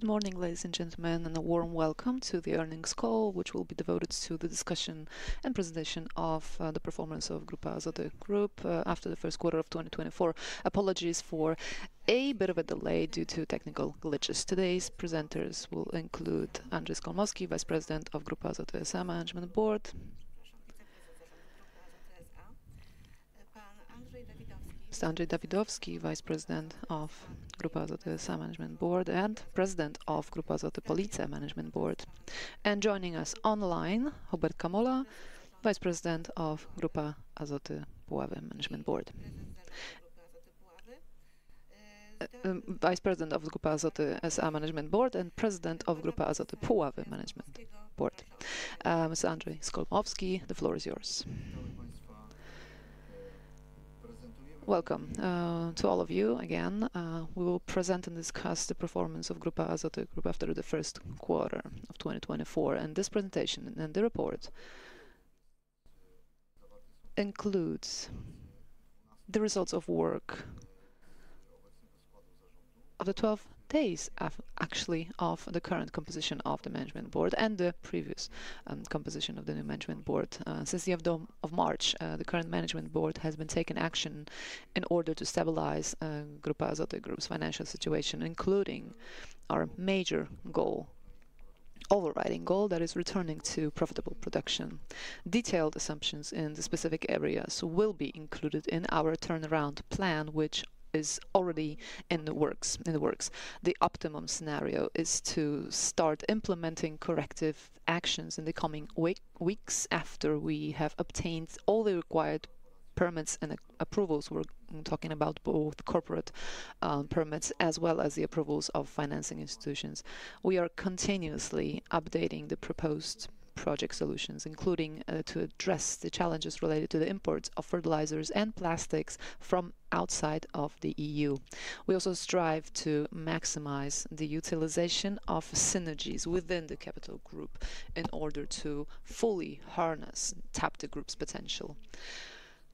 Good morning, ladies and gentlemen, and a warm welcome to the earnings call, which will be devoted to the discussion and presentation of the performance of Grupa Azoty Group after the first quarter of 2024. Apologies for a bit of a delay due to technical glitches. Today's presenters will include Andrzej Skolmowski, Vice President of Grupa Azoty S.A. Management Board. Andrzej Dawidowski, Vice President of Grupa Azoty S.A. Management Board, and President of Grupa Azoty Police Management Board. And joining us online, Hubert Kamola, Vice President of Grupa Azoty Puławy Management Board, Vice President of Grupa Azoty S.A. Management Board, and President of Grupa Azoty Puławy Management Board. Mr. Andrzej Skolmowski, the floor is yours. Welcome to all of you again. We will present and discuss the performance of Grupa Azoty Group after the first quarter of 2024, and this presentation and the report includes the results of work of the 12 days actually, of the current composition of the Management Board and the previous composition of the new Management Board. Since March, the current Management Board has been taking action in order to stabilize Grupa Azoty Group's financial situation, including our major goal, overriding goal, that is returning to profitable production. Detailed assumptions in the specific areas will be included in our Turnaround Plan, which is already in the works, in the works. The optimum scenario is to start implementing corrective actions in the coming weeks, after we have obtained all the required permits and approvals. We're talking about both corporate permits, as well as the approvals of financing institutions. We are continuously updating the proposed project solutions, including to address the challenges related to the imports of fertilizers and plastics from outside of the EU. We also strive to maximize the utilization of synergies within the capital group in order to fully harness and tap the group's potential.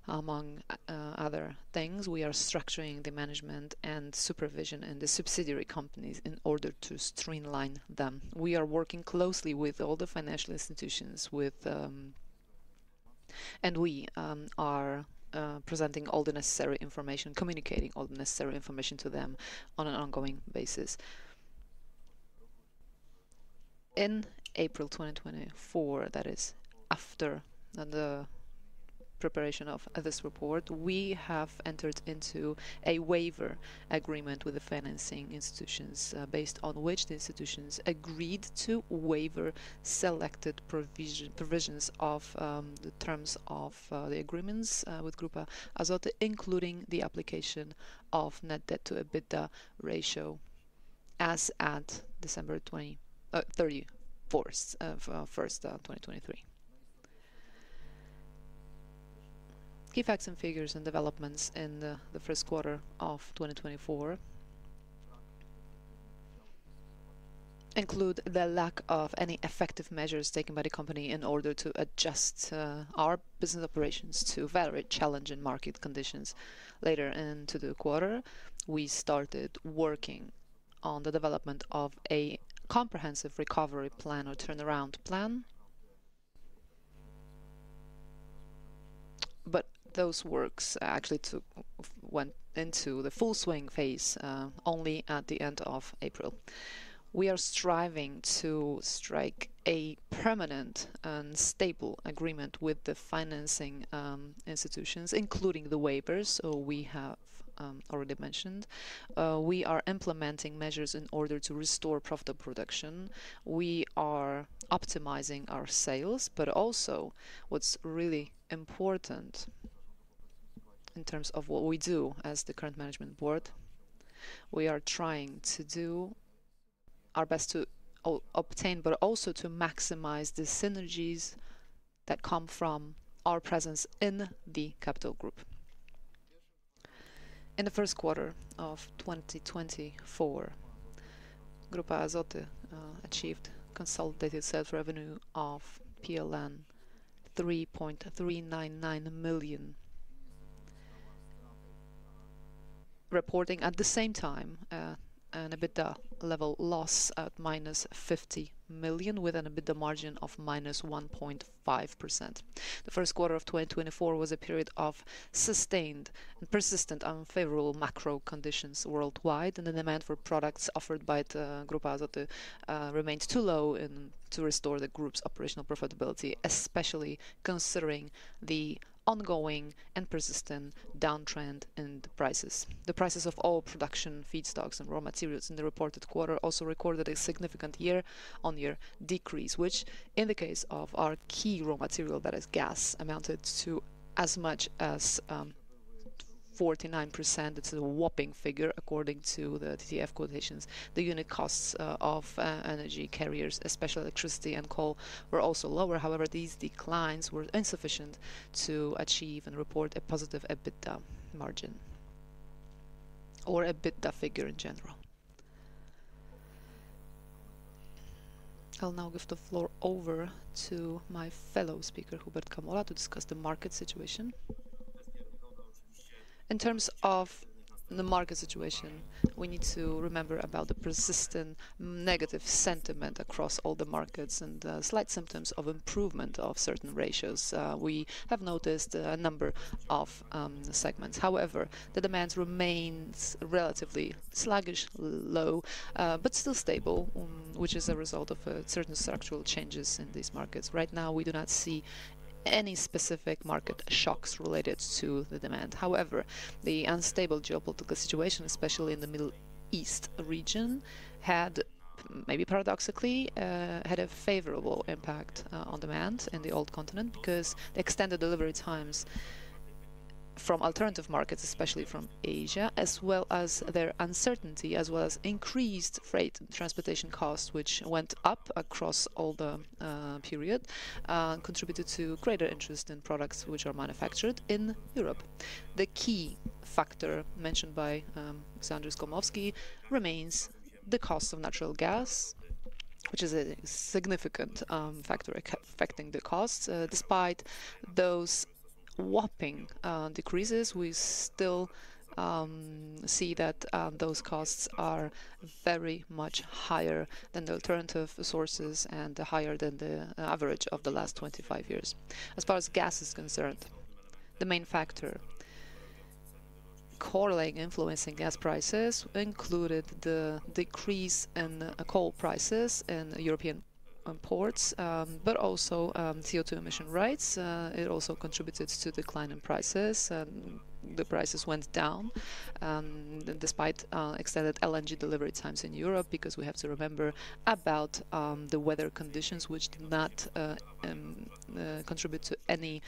Among other things, we are structuring the management and supervision in the subsidiary companies in order to streamline them. We are working closely with all the financial institutions. And we are presenting all the necessary information, communicating all the necessary information to them on an ongoing basis. In April 2024, that is after the preparation of this report, we have entered into a waiver agreement with the financing institutions based on which the institutions agreed to waive selected provisions of the terms of the agreements with Grupa Azoty, including the application of net debt to EBITDA ratio as at December 31, 2023. Key facts and figures and developments in the first quarter of 2024 include the lack of any effective measures taken by the company in order to adjust our business operations to very challenging market conditions. Later into the quarter, we started working on the development of a comprehensive recovery plan or turnaround plan. But those works actually took... went into the full swing phase only at the end of April. We are striving to strike a permanent and stable agreement with the financing institutions, including the waivers so we have already mentioned. We are implementing measures in order to restore profitable production. We are optimizing our sales, but also, what's really important in terms of what we do as the current Management Board, we are trying to do our best to obtain, but also to maximize the synergies that come from our presence in the capital group. In the first quarter of 2024, Grupa Azoty achieved consolidated sales revenue of PLN 3.399 million. Reporting at the same time an EBITDA level loss at -50 million, with an EBITDA margin of -1.5%. The first quarter of 2024 was a period of sustained and persistent unfavorable macro conditions worldwide, and the demand for products offered by the Grupa Azoty remained too low and to restore the group's operational profitability, especially considering the ongoing and persistent downtrend in the prices. The prices of all production feedstocks and raw materials in the reported quarter also recorded a significant year-on-year decrease, which in the case of our key raw material, that is gas, amounted to as much as 49%. It's a whopping figure according to the TTF quotations. The unit costs of energy carriers, especially electricity and coal, were also lower. However, these declines were insufficient to achieve and report a positive EBITDA margin or EBITDA figure in general. I'll now give the floor over to my fellow speaker, Hubert Kamola, to discuss the market situation. In terms of the market situation, we need to remember about the persistent negative sentiment across all the markets, and slight symptoms of improvement of certain ratios. We have noticed a number of segments. However, the demand remains relatively sluggish, low, but still stable, which is a result of certain structural changes in these markets. Right now, we do not see any specific market shocks related to the demand. However, the unstable geopolitical situation, especially in the Middle East region, had, maybe paradoxically, had a favorable impact on demand in the old continent, because the extended delivery times from alternative markets, especially from Asia, as well as their uncertainty, as well as increased freight and transportation costs, which went up across all the period, contributed to greater interest in products which are manufactured in Europe. The key factor mentioned by Andrzej Skolmowski remains the cost of natural gas, which is a significant factor affecting the costs. Despite those whopping decreases, we still see that those costs are very much higher than the alternative sources and higher than the average of the last 25 years. As far as gas is concerned, the main factor correlating, influencing gas prices included the decrease in coal prices in European ports, but also CO2 emission rights. It also contributed to decline in prices, and the prices went down despite extended LNG delivery times in Europe, because we have to remember about the weather conditions, which did not contribute to any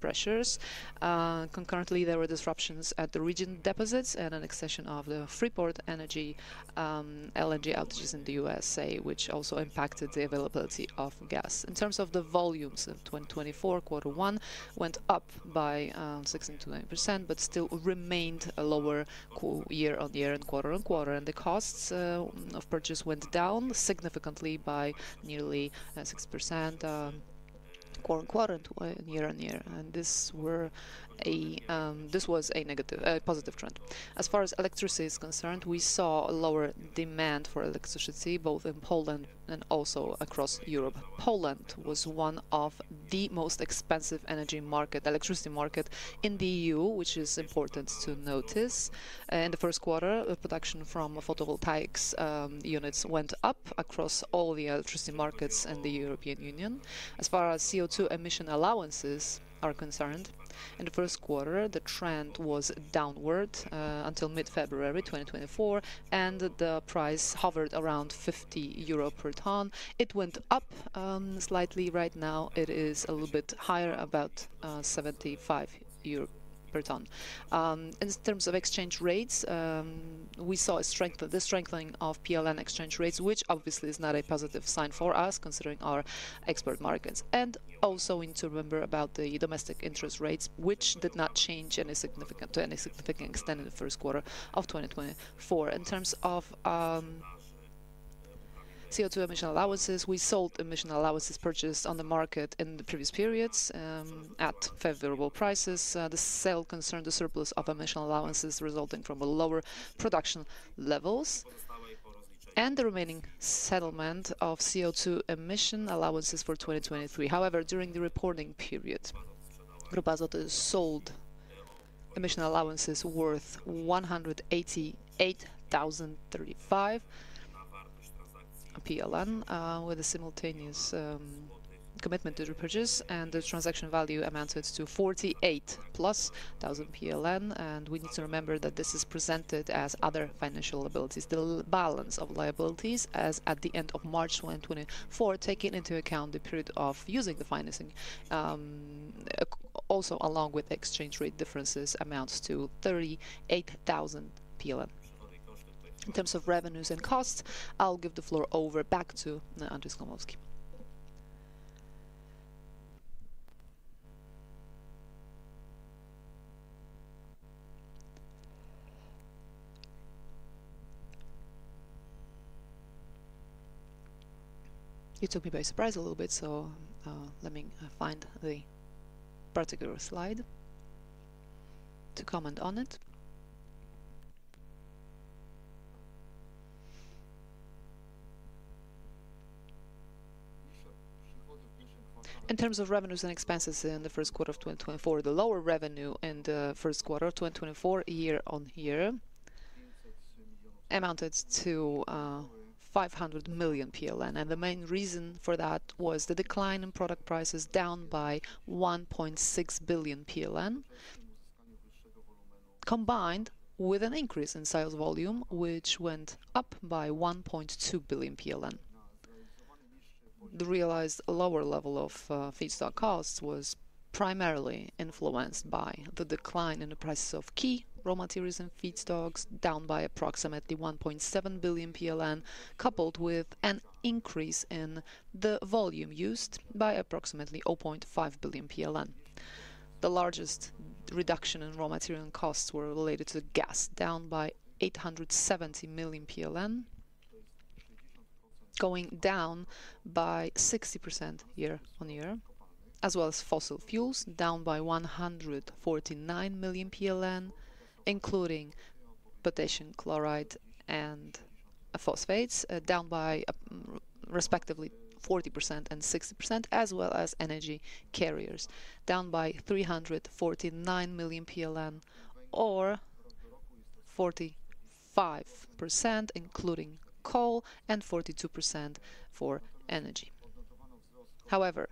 pressures. Concurrently, there were disruptions at the regional deposits and an extension of the Freeport LNG outages in the USA, which also impacted the availability of gas. In terms of the volumes of 2024 quarter one went up by 16%-9%, but still remained lower year-on-year and quarter-on-quarter, and the costs of purchase went down significantly by nearly 6% quarter-on-quarter and year-on-year. This was a positive trend. As far as electricity is concerned, we saw a lower demand for electricity, both in Poland and also across Europe. Poland was one of the most expensive energy market, electricity market in the EU, which is important to notice. In the first quarter, the production from photovoltaics units went up across all the electricity markets in the European Union. As far as CO2 emission allowances are concerned, in the first quarter, the trend was downward until mid-February 2024, and the price hovered around 50 euro per ton. It went up slightly. Right now, it is a little bit higher, about 75 euro per ton. In terms of exchange rates, we saw the strengthening of PLN exchange rates, which obviously is not a positive sign for us, considering our export markets. And also we need to remember about the domestic interest rates, which did not change to any significant extent in the first quarter of 2024. In terms of CO2 emission allowances, we sold emission allowances purchased on the market in the previous periods at favorable prices. The sale concerned the surplus of emission allowances resulting from the lower production levels and the remaining settlement of CO2 emission allowances for 2023. However, during the reporting period, Grupa Azoty sold emission allowances worth 188,035 PLN with a simultaneous commitment to repurchase, and the transaction value amounted to 48,000+ PLN. And we need to remember that this is presented as other financial liabilities. The balance of liabilities as at the end of March 2024, taking into account the period of using the financing, also, along with exchange rate differences, amounts to 38,000 PLN. In terms of revenues and costs, I'll give the floor over back to Andrzej Skolmowski. You took me by surprise a little bit, so, let me find the particular slide to comment on it. In terms of revenues and expenses in the first quarter of 2024, the lower revenue in the first quarter 2024, year-on-year, amounted to 500 million PLN. The main reason for that was the decline in product prices, down by 1.6 billion PLN, combined with an increase in sales volume, which went up by 1.2 billion PLN. The realized lower level of feedstock costs was primarily influenced by the decline in the prices of key raw materials and feedstocks, down by approximately 1.7 billion PLN, coupled with an increase in the volume used by approximately 0.5 billion PLN. The largest reduction in raw material costs were related to gas, down by 870 million PLN, going down by 60% year-on-year, as well as fossil fuels, down by 149 million PLN, including potassium chloride and phosphates, down by respectively 40% and 60%, as well as energy carriers, down by 349 million PLN, or 45%, including coal, and 42% for energy. However,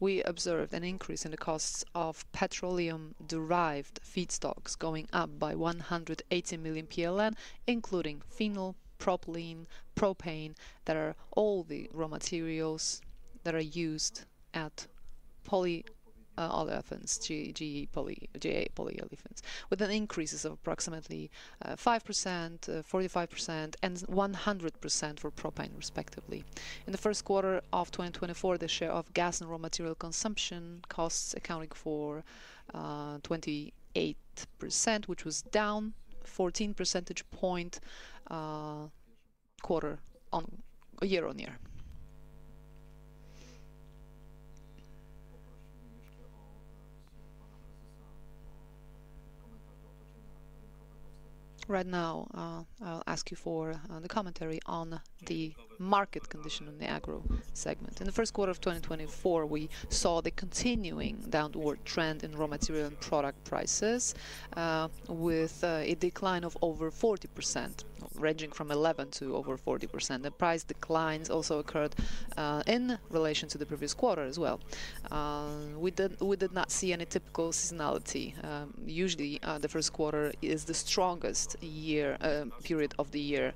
we observed an increase in the costs of petroleum-derived feedstocks, going up by 180 million PLN, including phenol, propylene, propane, that are all the raw materials that are used at polyolefins, GA Polyolefins, with increases of approximately 5%, 45%, and 100% for propane, respectively. In the first quarter of 2024, the share of gas and raw material consumption costs accounting for 28%, which was down 14 percentage point quarter-on-year-on-year. Right now, I'll ask you for the commentary on the market condition in the agro segment. In the first quarter of 2024, we saw the continuing downward trend in raw material and product prices, with a decline of over 40%, ranging from 11 to over 40%. The price declines also occurred in relation to the previous quarter as well. We did not see any typical seasonality. Usually, the first quarter is the strongest year period of the year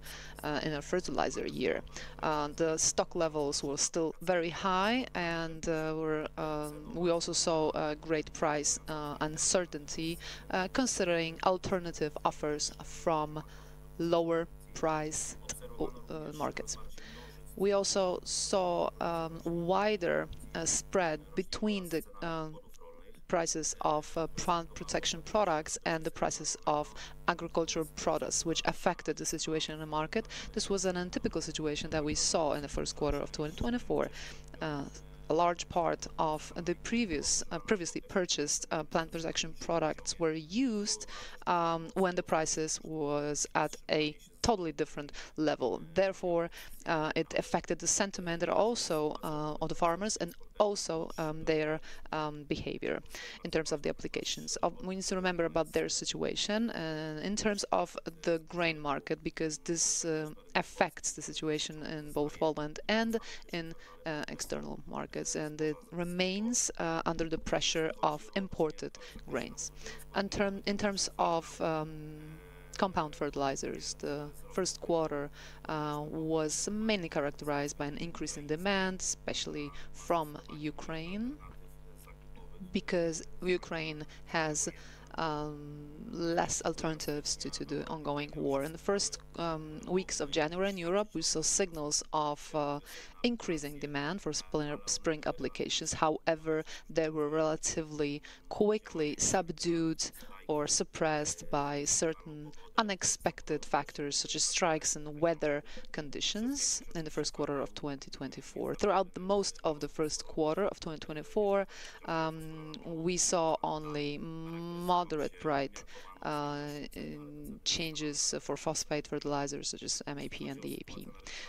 in a fertilizer year. The stock levels were still very high, and were... We also saw a great price uncertainty, considering alternative offers from lower-priced markets. We also saw wider spread between the prices of plant protection products and the prices of agricultural products, which affected the situation in the market. This was an atypical situation that we saw in the first quarter of 2024. A large part of the previously purchased plant protection products were used, when the prices was at a totally different level. Therefore, it affected the sentiment, and also on the farmers and also their behavior in terms of the applications. We need to remember about their situation, in terms of the grain market, because this affects the situation in both Poland and in external markets, and it remains under the pressure of imported grains. In terms of compound fertilizers, the first quarter was mainly characterized by an increase in demand, especially from Ukraine, because Ukraine has less alternatives due to the ongoing war. In the first weeks of January in Europe, we saw signals of increasing demand for spring applications. However, they were relatively quickly subdued or suppressed by certain unexpected factors, such as strikes and weather conditions in the first quarter of 2024. Throughout most of the first quarter of 2024, we saw only moderate price changes for phosphate fertilizers, such as MAP and DAP.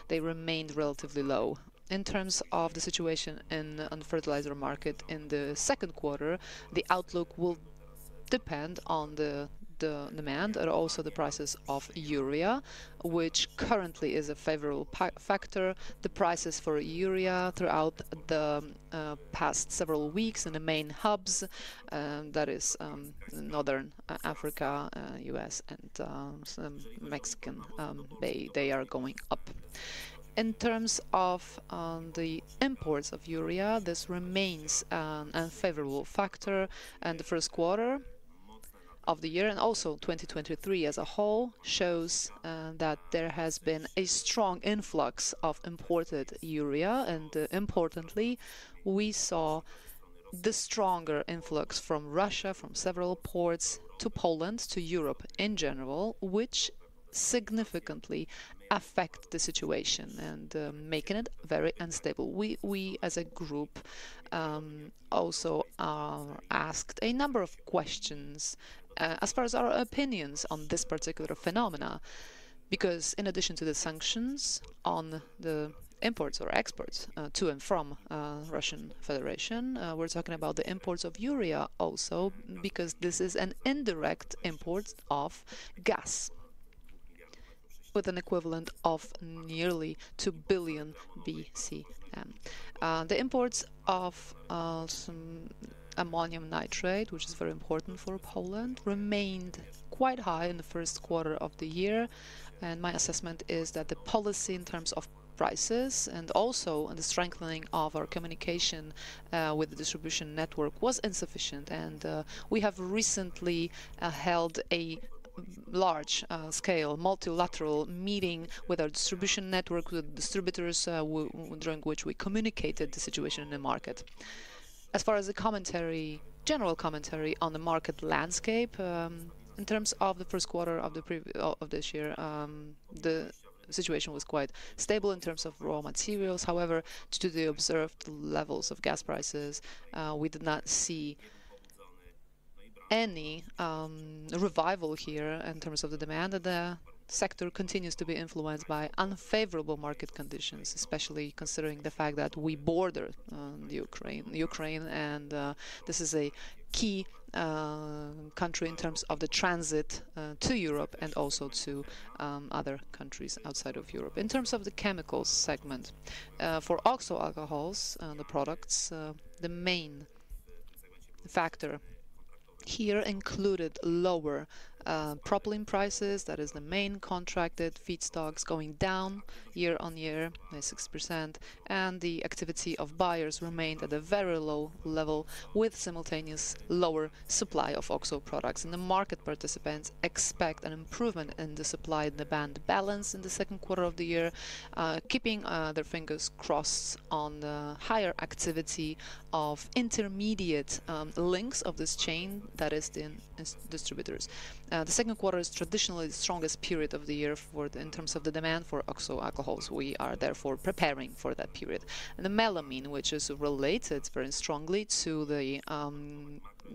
They remained relatively low. In terms of the situation on the fertilizer market in the second quarter, the outlook will depend on the demand and also the prices of urea, which currently is a favorable factor. The prices for urea throughout the past several weeks in the main hubs, that is, North Africa, US and some Gulf of Mexico, they are going up. In terms of the imports of urea, this remains an unfavorable factor, and the first quarter of the year, and also 2023 as a whole, shows that there has been a strong influx of imported urea. Importantly, we saw the stronger influx from Russia, from several ports to Poland, to Europe in general, which significantly affect the situation and making it very unstable. We as a group also asked a number of questions as far as our opinions on this particular phenomenon, because in addition to the sanctions on the imports or exports to and from Russian Federation, we're talking about the imports of urea also, because this is an indirect import of gas, with an equivalent of nearly 2 billion BCM. The imports of some ammonium nitrate, which is very important for Poland, remained quite high in the first quarter of the year, and my assessment is that the policy in terms of prices and also on the strengthening of our communication with the distribution network was insufficient. We have recently held a large-scale multilateral meeting with our distribution network, with distributors, during which we communicated the situation in the market. As far as the commentary, general commentary on the market landscape, in terms of the first quarter of this year, the situation was quite stable in terms of raw materials. However, due to the observed levels of gas prices, we did not see any revival here in terms of the demand. The sector continues to be influenced by unfavorable market conditions, especially considering the fact that we border the Ukraine, and this is a key country in terms of the transit to Europe and also to other countries outside of Europe. In terms of the chemicals segment, for oxo alcohols, the products, the main factor here included lower propylene prices. That is the main contracted feedstocks going down year-on-year by 6%, and the activity of buyers remained at a very low level, with simultaneous lower supply of oxo products. The market participants expect an improvement in the supply and demand balance in the second quarter of the year, keeping their fingers crossed on the higher activity of intermediate links of this chain, that is the distributors. The second quarter is traditionally the strongest period of the year in terms of the demand for oxo alcohols. We are therefore preparing for that period. The melamine, which is related very strongly to the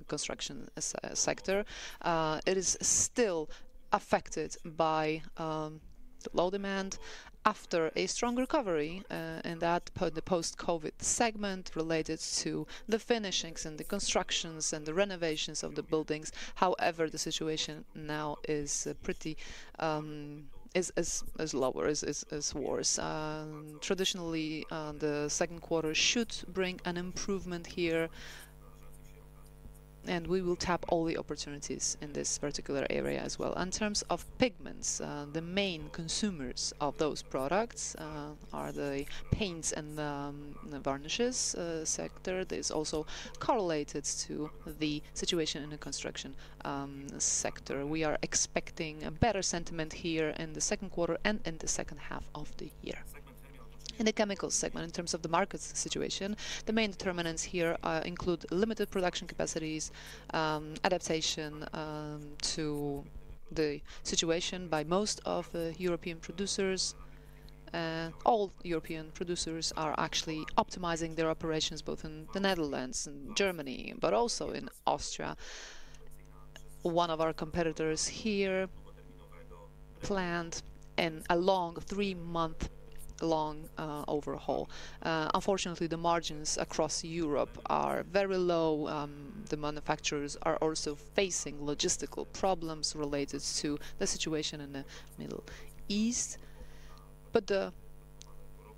construction sector, it is still affected by low demand after a strong recovery in that post-COVID segment related to the finishings and the constructions and the renovations of the buildings. However, the situation now is pretty lower, is worse. Traditionally, the second quarter should bring an improvement here, and we will tap all the opportunities in this particular area as well. In terms of pigments, the main consumers of those products are the paints and the varnishes sector. This also correlates to the situation in the construction sector. We are expecting a better sentiment here in the second quarter and in the second half of the year. In the chemical segment, in terms of the market situation, the main determinants here include limited production capacities, adaptation to the situation by most of the European producers. All European producers are actually optimizing their operations, both in the Netherlands and Germany, but also in Austria. One of our competitors here planned a long, three-month-long overhaul. Unfortunately, the margins across Europe are very low. The manufacturers are also facing logistical problems related to the situation in the Middle East, but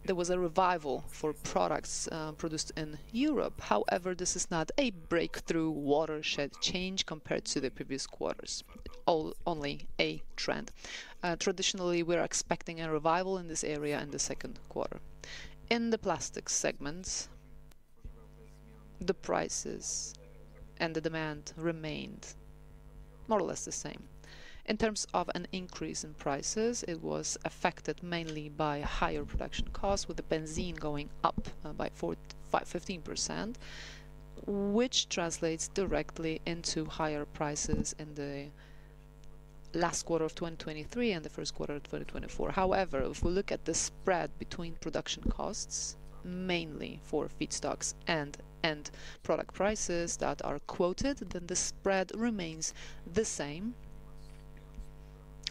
there was a revival for products produced in Europe. However, this is not a breakthrough watershed change compared to the previous quarters, only a trend. Traditionally, we're expecting a revival in this area in the second quarter. In the plastics segments, the prices and the demand remained more or less the same. In terms of an increase in prices, it was affected mainly by higher production costs, with the benzene going up by 15%, which translates directly into higher prices in the last quarter of 2023 and the first quarter of 2024. However, if we look at the spread between production costs, mainly for feedstocks and end product prices that are quoted, then the spread remains the same,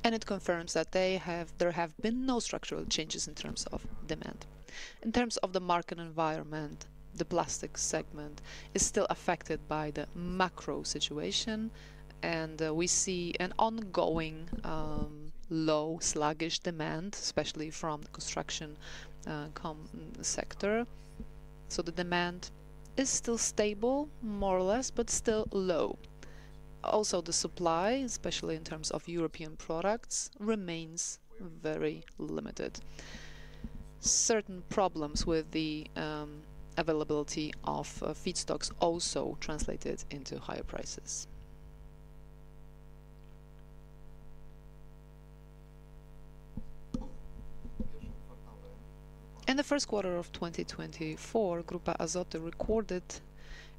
and it confirms that there have been no structural changes in terms of demand. In terms of the market environment, the plastics segment is still affected by the macro situation, and we see an ongoing low, sluggish demand, especially from the construction sector. So the demand is still stable, more or less, but still low. Also, the supply, especially in terms of European products, remains very limited. Certain problems with the availability of feedstocks also translated into higher prices. In the first quarter of 2024, Grupa Azoty recorded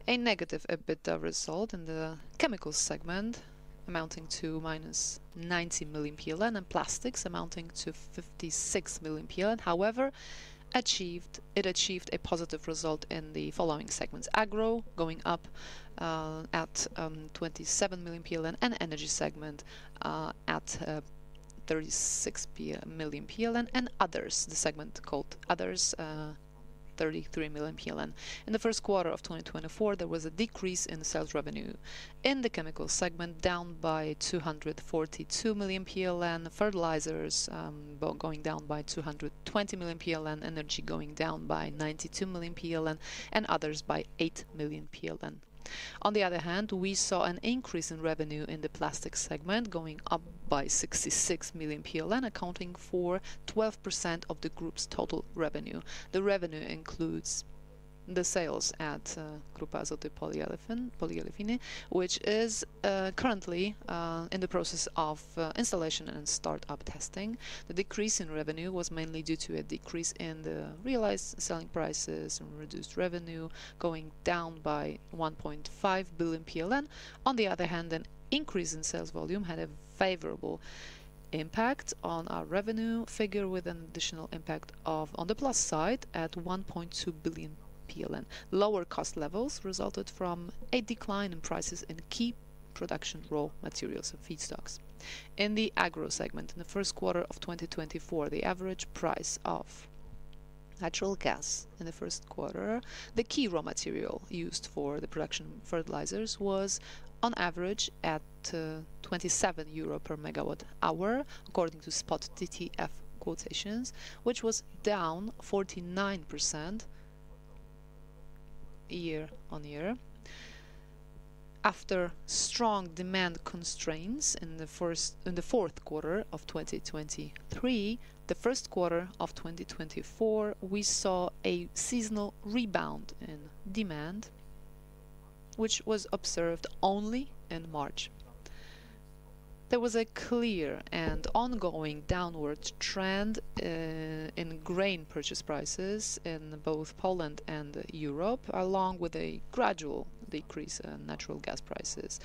a negative EBITDA result in the chemicals segment, amounting to minus 90 million PLN, and plastics amounting to 56 million PLN. However, it achieved a positive result in the following segments: Agro, going up at 27 million PLN, and Energy segment at 36 million PLN, and others, the segment called Others, 33 million PLN. In the first quarter of 2024, there was a decrease in sales revenue. In the chemical segment, down by 242 million PLN. Fertilizers going down by 220 million PLN, Energy going down by 92 million PLN, and Others by 8 million PLN. On the other hand, we saw an increase in revenue in the plastics segment, going up by 66 million PLN, accounting for 12% of the group's total revenue. The revenue includes the sales at Grupa Azoty Polyolefins, which is currently in the process of installation and startup testing. The decrease in revenue was mainly due to a decrease in the realized selling prices and reduced revenue, going down by 1.5 billion PLN. On the other hand, an increase in sales volume had a favorable impact on our revenue figure with an additional impact of, on the plus side, at 1.2 billion PLN. Lower cost levels resulted from a decline in prices in key production raw materials and feedstocks. In the Agro segment, in the first quarter of 2024, the average price of natural gas in the first quarter, the key raw material used for the production of fertilizers, was on average at 27 euro per megawatt hour, according to Spot TTF quotations, which was down 49% year-on-year. After strong demand constraints in the fourth quarter of 2023, the first quarter of 2024, we saw a seasonal rebound in demand, which was observed only in March. There was a clear and ongoing downward trend in grain purchase prices in both Poland and Europe, along with a gradual decrease in natural gas prices.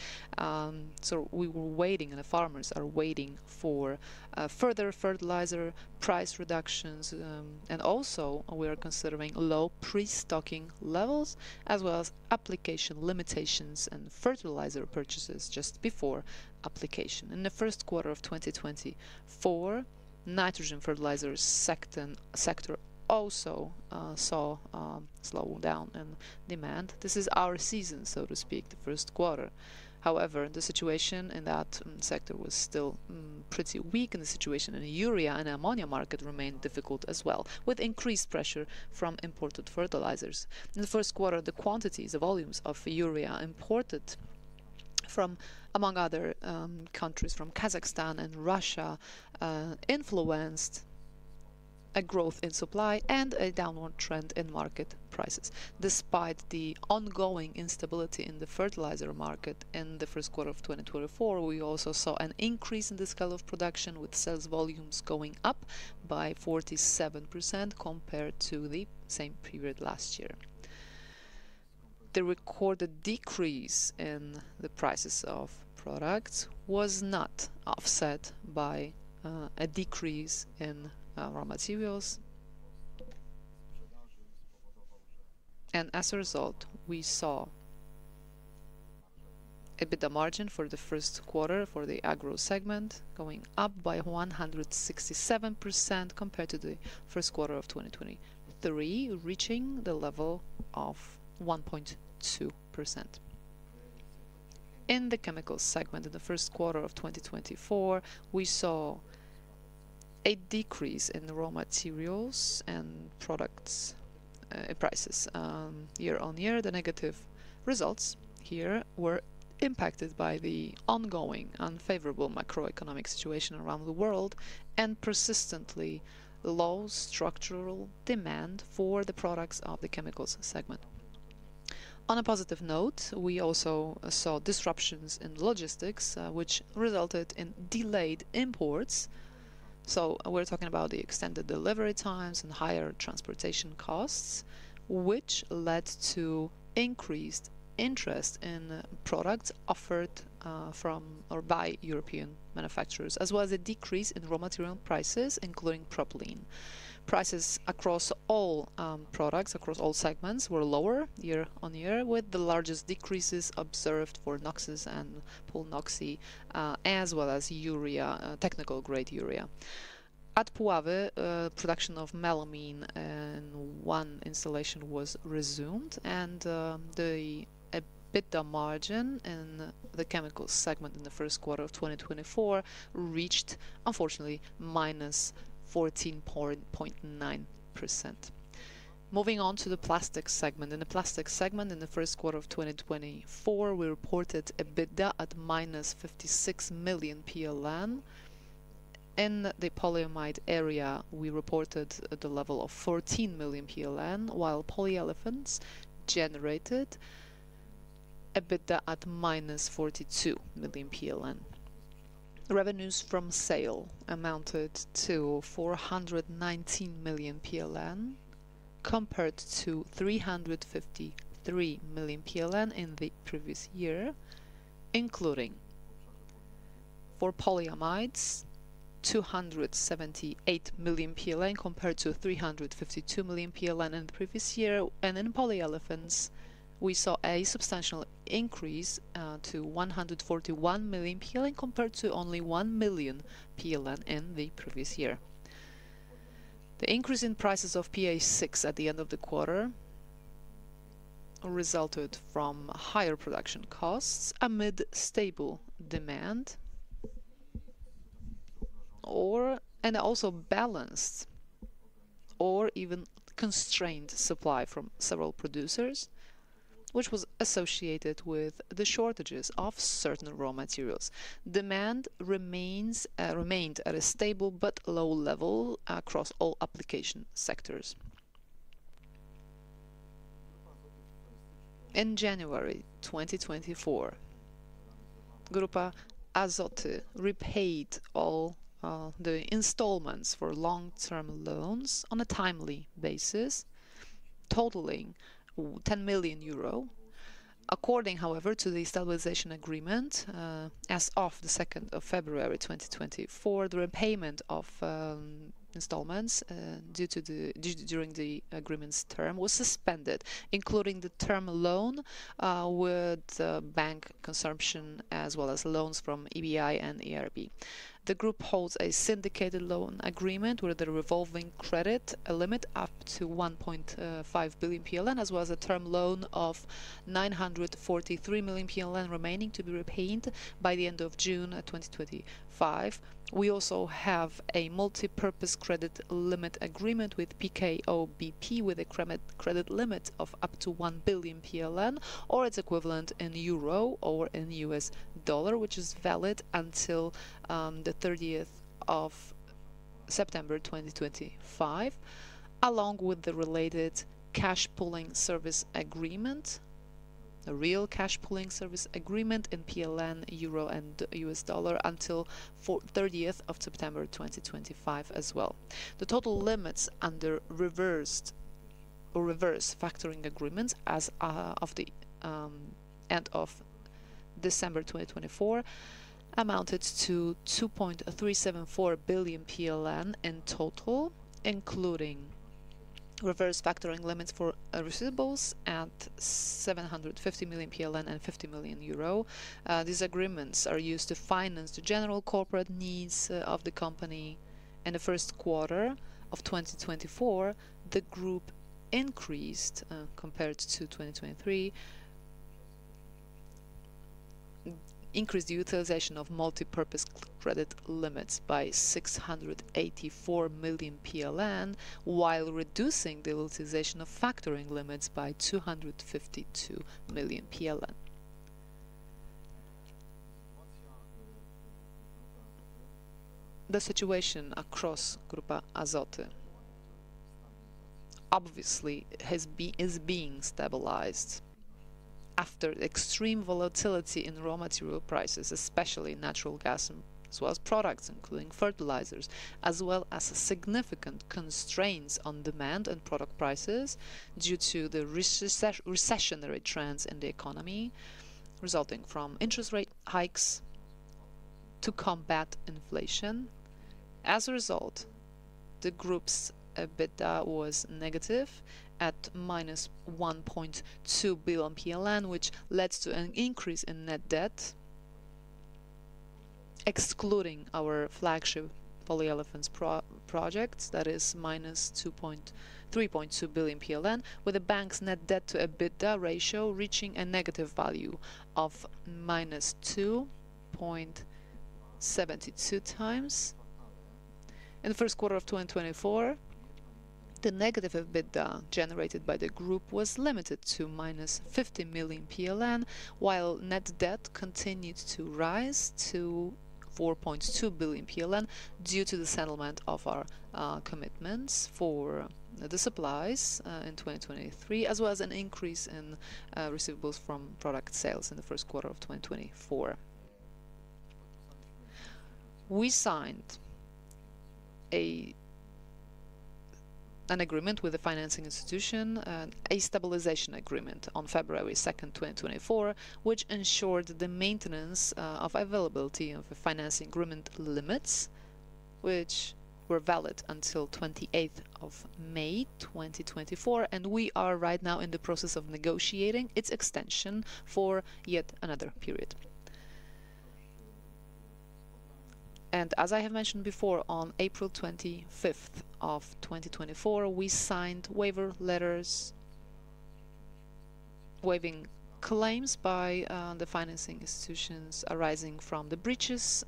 So we were waiting, and the farmers are waiting for further fertilizer price reductions, and also we are considering low pre-stocking levels, as well as application limitations and fertilizer purchases just before application. In the first quarter of 2024, nitrogen fertilizers sector also saw a slow down in demand. This is our season, so to speak, the first quarter. However, the situation in that sector was still pretty weak, and the situation in urea and ammonia market remained difficult as well, with increased pressure from imported fertilizers. In the first quarter, the quantities, the volumes of urea imported from, among other countries, from Kazakhstan and Russia influenced a growth in supply and a downward trend in market prices. Despite the ongoing instability in the fertilizer market in the first quarter of 2024, we also saw an increase in the scale of production, with sales volumes going up by 47% compared to the same period last year. The recorded decrease in the prices of products was not offset by a decrease in raw materials. As a result, we saw EBITDA margin for the first quarter for the Agro segment going up by 167% compared to the first quarter of 2023, reaching the level of 1.2%. In the Chemicals segment, in the first quarter of 2024, we saw a decrease in the raw materials and products prices year-on-year. The negative results here were impacted by the ongoing unfavorable macroeconomic situation around the world and persistently low structural demand for the products of the Chemicals segment. On a positive note, we also saw disruptions in logistics, which resulted in delayed imports. We're talking about the extended delivery times and higher transportation costs, which led to increased interest in products offered from or by European manufacturers, as well as a decrease in raw material prices, including propylene. Prices across all products, across all segments, were lower year-on-year, with the largest decreases observed for NOXy and PULNOX, as well as urea, technical-grade urea. At Puławy, production of melamine in one installation was resumed, and the EBITDA margin in the Chemicals segment in the first quarter of 2024 reached, unfortunately, -14.9%. Moving on to the Plastics segment. In the Plastics segment, in the first quarter of 2024, we reported EBITDA at -56 million PLN. In the polyamide area, we reported at the level of 14 million PLN, while polyolefins generated EBITDA at -42 million PLN. Revenues from sale amounted to 419 million PLN, compared to 353 million PLN in the previous year, including for polyamides, PLN 278 million, compared to 352 million PLN in the previous year. In polyolefins, we saw a substantial increase to 141 million PLN, compared to only 1 million PLN in the previous year. The increase in prices of PA6 at the end of the quarter resulted from higher production costs amid stable demand, and also balanced or even constrained supply from several producers, which was associated with the shortages of certain raw materials. Demand remained at a stable but low level across all application sectors. In January 2024, Grupa Azoty repaid all the installments for long-term loans on a timely basis, totaling 10 million euro. According, however, to the stabilization agreement, as of the 2nd of February 2020, for the repayment of installments due during the agreement's term was suspended, including the term loan with bank consortium, as well as loans from EIB and EBRD. The group holds a syndicated loan agreement with a revolving credit, a limit up to 1.5 billion PLN, as well as a term loan of 943 million PLN remaining to be repaid by the end of June 2025. We also have a multipurpose credit limit agreement with PKO BP, with a credit limit of up to 1 billion PLN or its equivalent in euro or in U.S. dollar, which is valid until the 30th of September 2025, along with the related cash pooling service agreement, a real cash pooling service agreement in PLN, euro, and U.S. dollar until thirtieth of September 2025 as well. The total limits under reversed or reverse factoring agreements as of the end of December 2024, amounted to 2.374 billion PLN in total, including reverse factoring limits for receivables at 750 million PLN and 50 million euro. These agreements are used to finance the general corporate needs of the company. In the first quarter of 2024, the group increased, compared to 2023, increased the utilization of multipurpose credit limits by 684 million PLN, while reducing the utilization of factoring limits by 252 million PLN. The situation across Grupa Azoty obviously is being stabilized after extreme volatility in raw material prices, especially natural gas, as well as products, including fertilizers, as well as significant constraints on demand and product prices due to the recessionary trends in the economy, resulting from interest rate hikes to combat inflation. As a result, the group's EBITDA was negative at -1.2 billion PLN, which led to an increase in net debt, excluding our flagship polyolefins projects, that is -2 point... 3.2 billion PLN, with the bank's net debt to EBITDA ratio reaching a negative value of -2.72 times. In the first quarter of 2024, the negative EBITDA generated by the group was limited to -50 million PLN, while net debt continued to rise to 4.2 billion PLN due to the settlement of our commitments for the supplies in 2023, as well as an increase in receivables from product sales in the first quarter of 2024. We signed an agreement with the financing institution, and a stabilization agreement on February 2nd, 2024, which ensured the maintenance of availability of the financing agreement limits, which were valid until 28 May 2024, and we are right now in the process of negotiating its extension for yet another period. As I have mentioned before, on April 25th of 2024, we signed waiver letters waiving claims by the financing institutions arising from the breaches,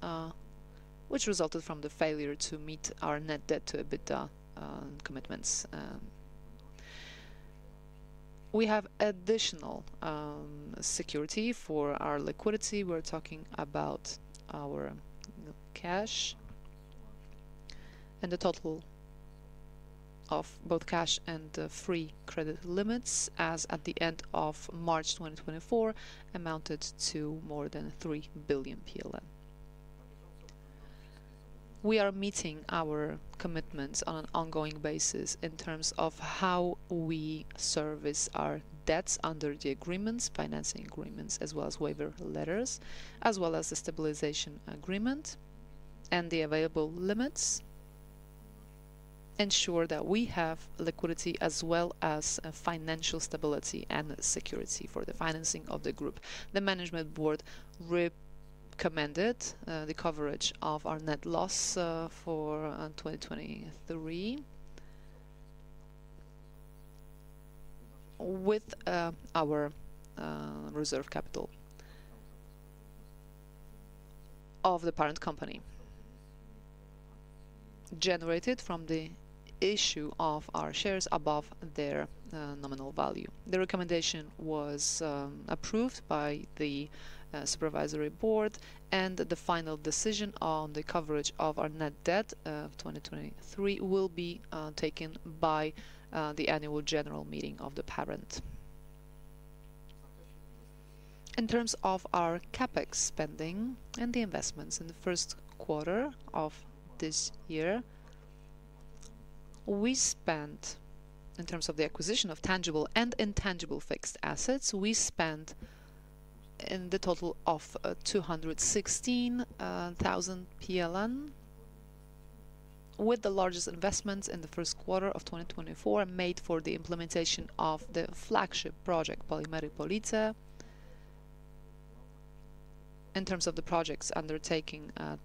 which resulted from the failure to meet our net debt to EBITDA commitments. We have additional security for our liquidity. We're talking about our cash, and the total of both cash and the free credit limits as at the end of March 2024 amounted to more than 3 billion. We are meeting our commitments on an ongoing basis in terms of how we service our debts under the agreements, financing agreements, as well as waiver letters, as well as the stabilization agreement, and the available limits ensure that we have liquidity as well as a financial stability and security for the financing of the group. The management board recommended the coverage of our net loss for 2023 with our reserve capital of the parent company generated from the issue of our shares above their nominal value. The recommendation was approved by the supervisory board, and the final decision on the coverage of our net debt of 2023 will be taken by the annual general meeting of the parent. In terms of our CapEx spending and the investments, in the first quarter of this year, in terms of the acquisition of tangible and intangible fixed assets, we spent in the total of 216,000 PLN, with the largest investments in the first quarter of 2024 made for the implementation of the flagship project, Polimery Police. In terms of the projects undertaking at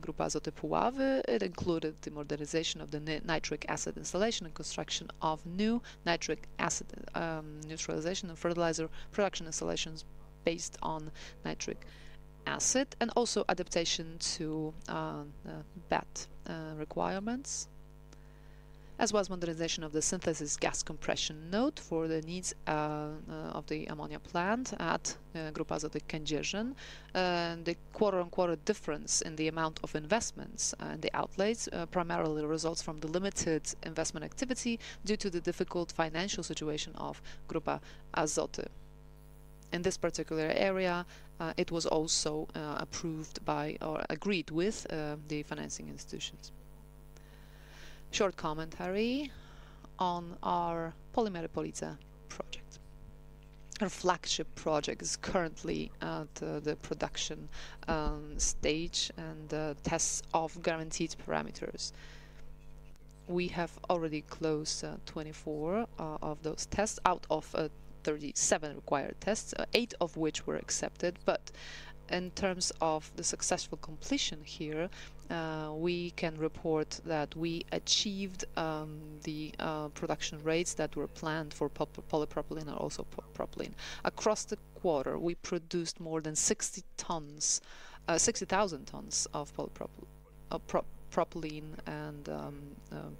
Grupa Azoty Puławy, it included the modernization of the nitric acid installation and construction of new nitric acid neutralization and fertilizer production installations based on nitric acid, and also adaptation to BAT requirements, as well as modernization of the synthesis gas compression node for the needs of the ammonia plant at Grupa Azoty Kędzierzyn. The quarter-on-quarter difference in the amount of investments and the outlays primarily results from the limited investment activity due to the difficult financial situation of Grupa Azoty. In this particular area, it was also approved by or agreed with the financing institutions. Short commentary on our Polimery Police project. Our flagship project is currently at the production stage and tests of guaranteed parameters. We have already closed 24 of those tests out of 37 required tests, eight of which were accepted. But in terms of the successful completion here, we can report that we achieved the production rates that were planned for polypropylene and also propylene. Across the quarter, we produced more than 60,000 tons of polypropylene and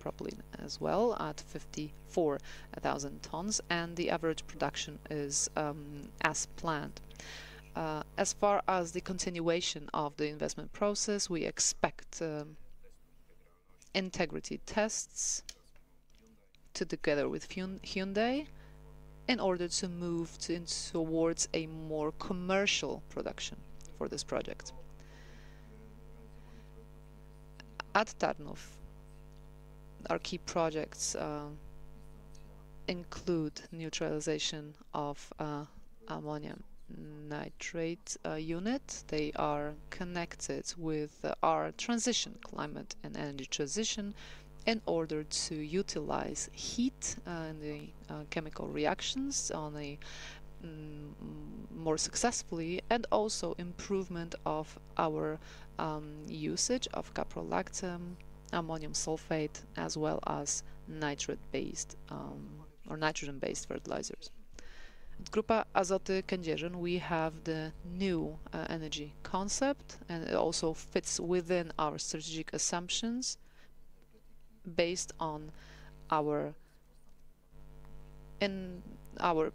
propylene as well at 54,000 tons, and the average production is as planned. As far as the continuation of the investment process, we expect integrity tests together with Hyundai in order to move towards a more commercial production for this project. At Tarnów, our key projects include neutralization of ammonium nitrate unit. They are connected with our transition, climate and energy transition, in order to utilize heat in the chemical reactions on a more successfully, and also improvement of our usage of caprolactam, ammonium sulfate, as well as nitrate-based or nitrogen-based fertilizers. At Grupa Azoty Kędzierzyn, we have the new energy concept, and it also fits within our strategic assumptions based on our... and our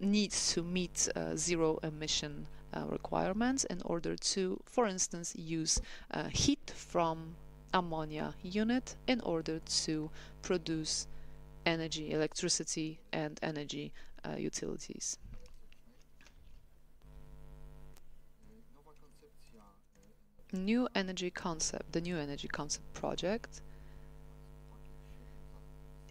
needs to meet zero emission requirements in order to, for instance, use heat from ammonia unit in order to produce energy, electricity, and energy utilities. New energy concept, the new energy concept project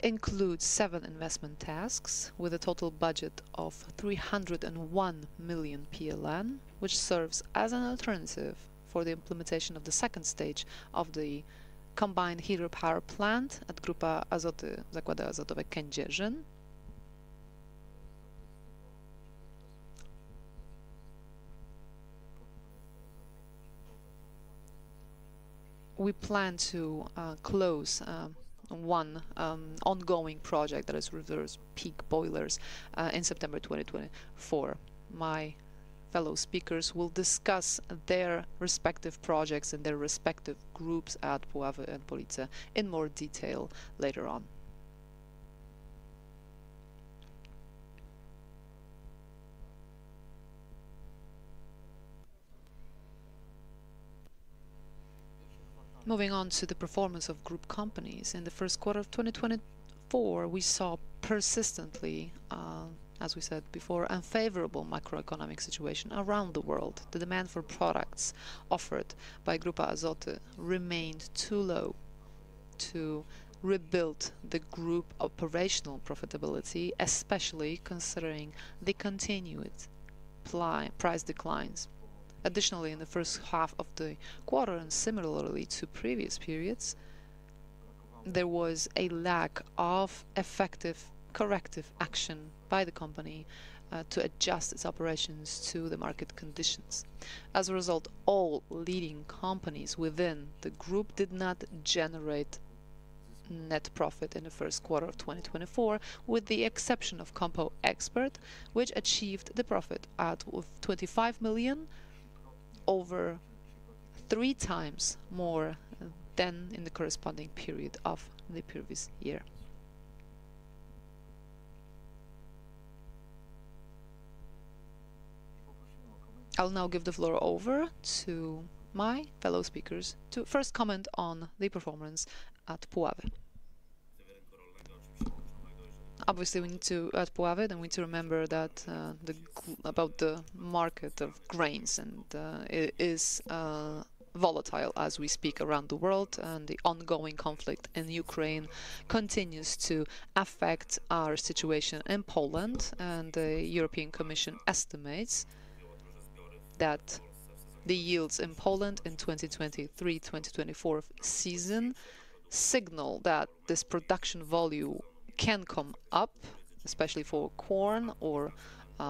includes seven investment tasks with a total budget of 301 million PLN, which serves as an alternative for the implementation of the second stage of the combined heater power plant at Grupa Azoty Zakłady Azotowe Kędzierzyn. We plan to close one ongoing project, that is Reserve Peak Boilers, in September 2024. My fellow speakers will discuss their respective projects and their respective groups at Puławy and Police in more detail later on. Moving on to the performance of group companies. In the first quarter of 2024, we saw persistently, as we said before, unfavorable macroeconomic situation around the world. The demand for products offered by Grupa Azoty remained too low to rebuild the group operational profitability, especially considering the continued price declines. Additionally, in the first half of the quarter, and similarly to previous periods, there was a lack of effective corrective action by the company to adjust its operations to the market conditions. As a result, all leading companies within the group did not generate net profit in the first quarter of 2024, with the exception of Compo Expert, which achieved the profit at 25 million, over three times more than in the corresponding period of the previous year. I'll now give the floor over to my fellow speakers to first comment on the performance at Puławy. Obviously, we need to, at Puławy, then we need to remember that, about the market of grains and, it is, volatile as we speak around the world, and the ongoing conflict in Ukraine continues to affect our situation in Poland, and the European Commission estimates that the yields in Poland in 2023/2024 season signal that this production volume can come up, especially for corn or,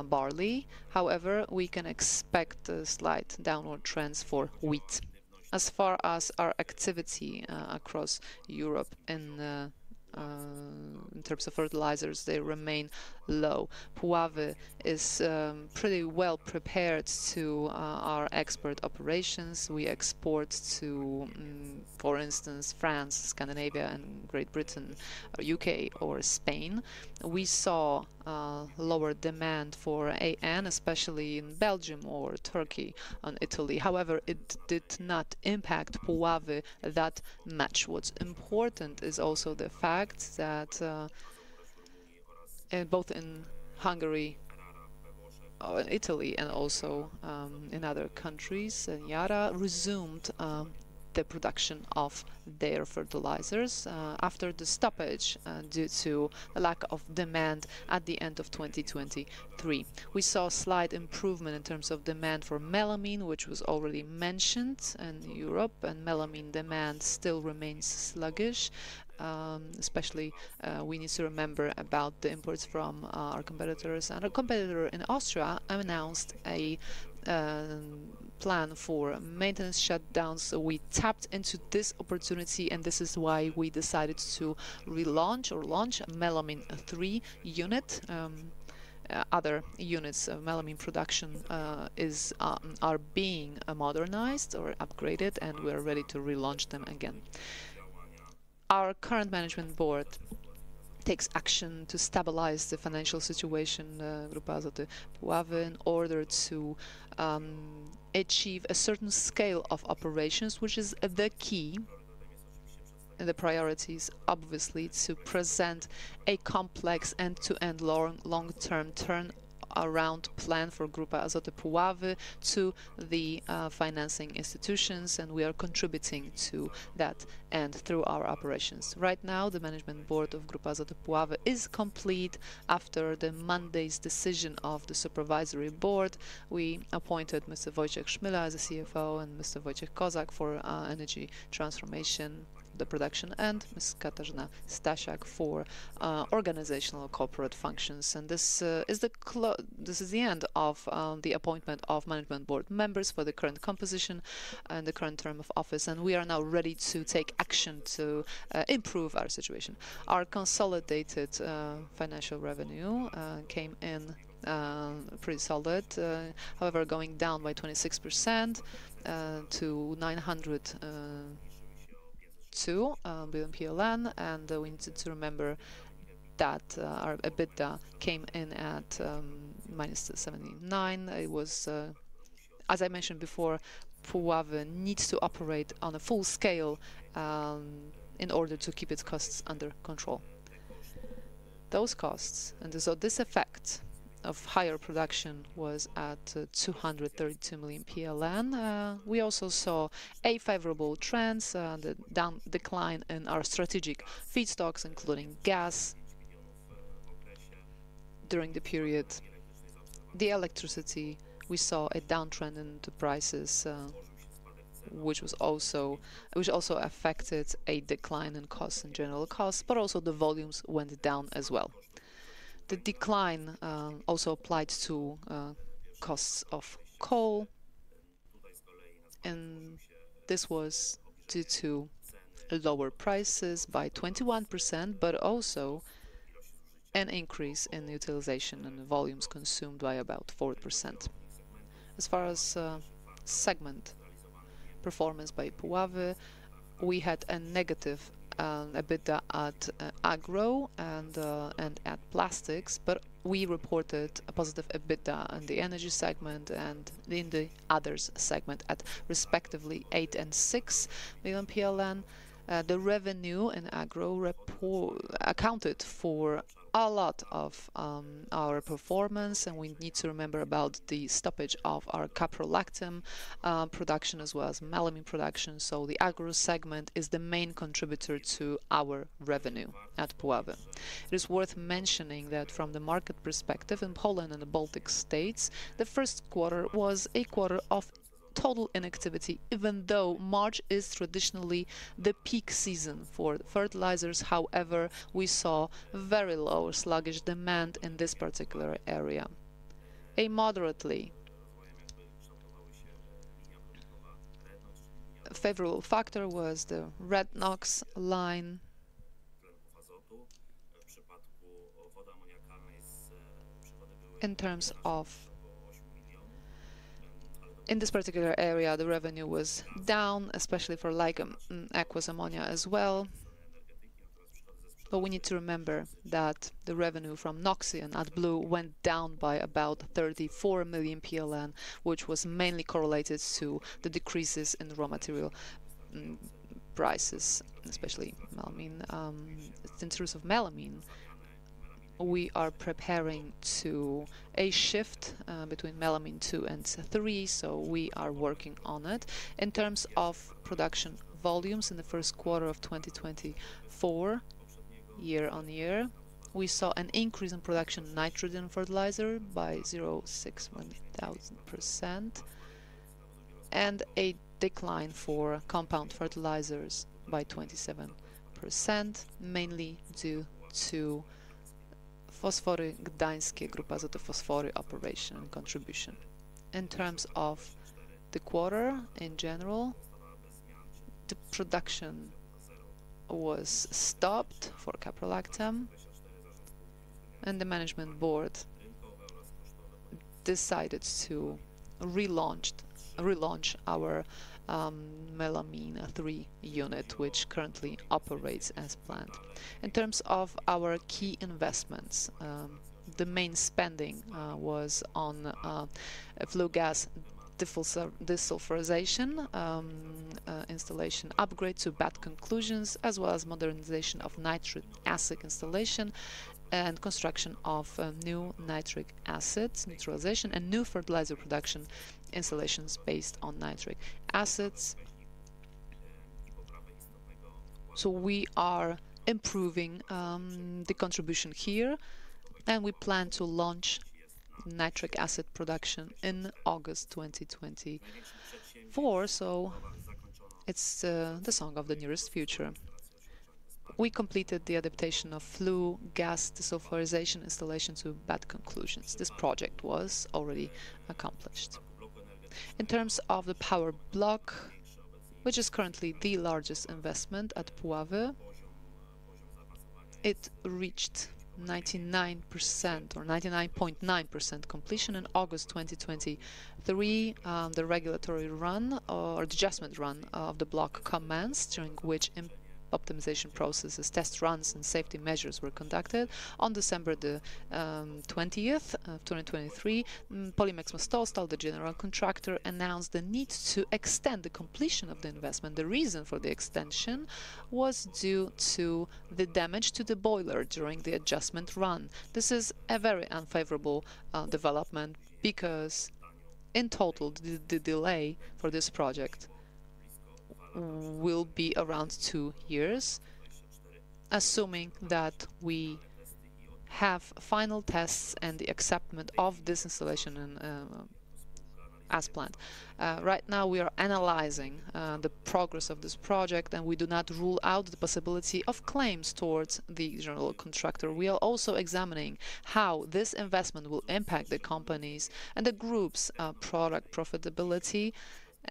barley. However, we can expect a slight downward trends for wheat. As far as our activity across Europe in terms of fertilizers, they remain low. Puławy is pretty well-prepared to our export operations. We export to, for instance, France, Scandinavia, and Great Britain, or UK, or Spain. We saw lower demand for AN, especially in Belgium or Turkey, and Italy. However, it did not impact Puławy that much. What's important is also the fact that both in Hungary, or Italy, and also in other countries, and Yara resumed the production of their fertilizers after the stoppage due to a lack of demand at the end of 2023. We saw a slight improvement in terms of demand for melamine, which was already mentioned in Europe, and melamine demand still remains sluggish. Especially, we need to remember about the imports from our competitors. A competitor in Austria announced a plan for maintenance shutdown, so we tapped into this opportunity, and this is why we decided to relaunch or launch melamine 3 unit. Other units of melamine production are being modernized or upgraded, and we're ready to relaunch them again. Our current management board takes action to stabilize the financial situation Grupa Azoty Puławy, in order to achieve a certain scale of operations, which is the key. The priority is obviously to present a complex end-to-end long, long-term turnaround plan for Grupa Azoty Puławy to the financing institutions, and we are contributing to that and through our operations. Right now, the management board of Grupa Azoty Puławy is complete. After the Monday's decision of the supervisory board, we appointed Mr. Wojciech Szmyła as the CFO and Mr. Wojciech Kozak for energy transformation, the production, and Ms. Katarzyna Stasiak for organizational corporate functions. This is the end of the appointment of management board members for the current composition and the current term of office, and we are now ready to take action to improve our situation. Our consolidated financial revenue came in pretty solid, however, going down by 26% to PLN 902 billion, and we need to remember that our EBITDA came in at -79. It was. As I mentioned before, Puławy needs to operate on a full scale in order to keep its costs under control. Those costs, and so this effect of higher production was at 232 million PLN. We also saw a favorable trends, the down decline in our strategic feedstocks, including gas, during the period. The electricity, we saw a downtrend in the prices, which also affected a decline in costs, in general costs, but also the volumes went down as well. The decline also applied to costs of coal, and this was due to lower prices by 21%, but also an increase in utilization and the volumes consumed by about 4%. As far as segment performance by Puławy, we had a negative EBITDA at Agro and at Plastics, but we reported a positive EBITDA on the energy segment and in the others segment at respectively 8 million and 6 million PLN. The revenue in Agro report accounted for a lot of our performance, and we need to remember about the stoppage of our caprolactam production as well as melamine production. So the Agro segment is the main contributor to our revenue at Puławy. It is worth mentioning that from the market perspective in Poland and the Baltic States, the first quarter was a quarter of total inactivity, even though March is traditionally the peak season for fertilizers. However, we saw very low sluggish demand in this particular area. A moderately favorable factor was the RedNOx line. In this particular area, the revenue was down, especially for LIKAM aqueous ammonia as well. But we need to remember that the revenue from NOXy and AdBlue went down by about 34 million PLN, which was mainly correlated to the decreases in the raw material prices, especially melamine. In terms of melamine, we are preparing to a shift between melamine 2 and 3, so we are working on it. In terms of production volumes in the first quarter of 2024, year-on-year, we saw an increase in production nitrogen fertilizer by 0.61%, and a decline for compound fertilizers by 27%, mainly due to Fosfory Gdańskie Grupa Azoty Fosfory operation contribution. In terms of the quarter, in general, the production was stopped for caprolactam, and the management board decided to relaunch our melamine 3 unit, which currently operates as planned. In terms of our key investments, the main spending was on a flue gas desulfurization installation upgrade to BAT conclusions, as well as modernization of nitric acid installation and construction of new nitric acid neutralization and new fertilizer production installations based on nitric acid. So we are improving the contribution here, and we plan to launch nitric acid production in August 2024. So it's the dawn of the nearest future. We completed the adaptation of flue gas desulfurization installation to BAT conclusions. This project was already accomplished. In terms of the power block, which is currently the largest investment at Puławy, it reached 99% or 99.9% completion in August 2023. The regulatory run or the adjustment run of the block commenced, during which optimization processes, test runs, and safety measures were conducted. On December 20, 2023, Polimex Mostostal, the general contractor, announced the need to extend the completion of the investment. The reason for the extension was due to the damage to the boiler during the adjustment run. This is a very unfavorable development because in total, the delay for this project will be around 2 years, assuming that we have final tests and the acceptance of this installation and as planned. Right now, we are analyzing the progress of this project, and we do not rule out the possibility of claims towards the general contractor. We are also examining how this investment will impact the companies and the group's product profitability,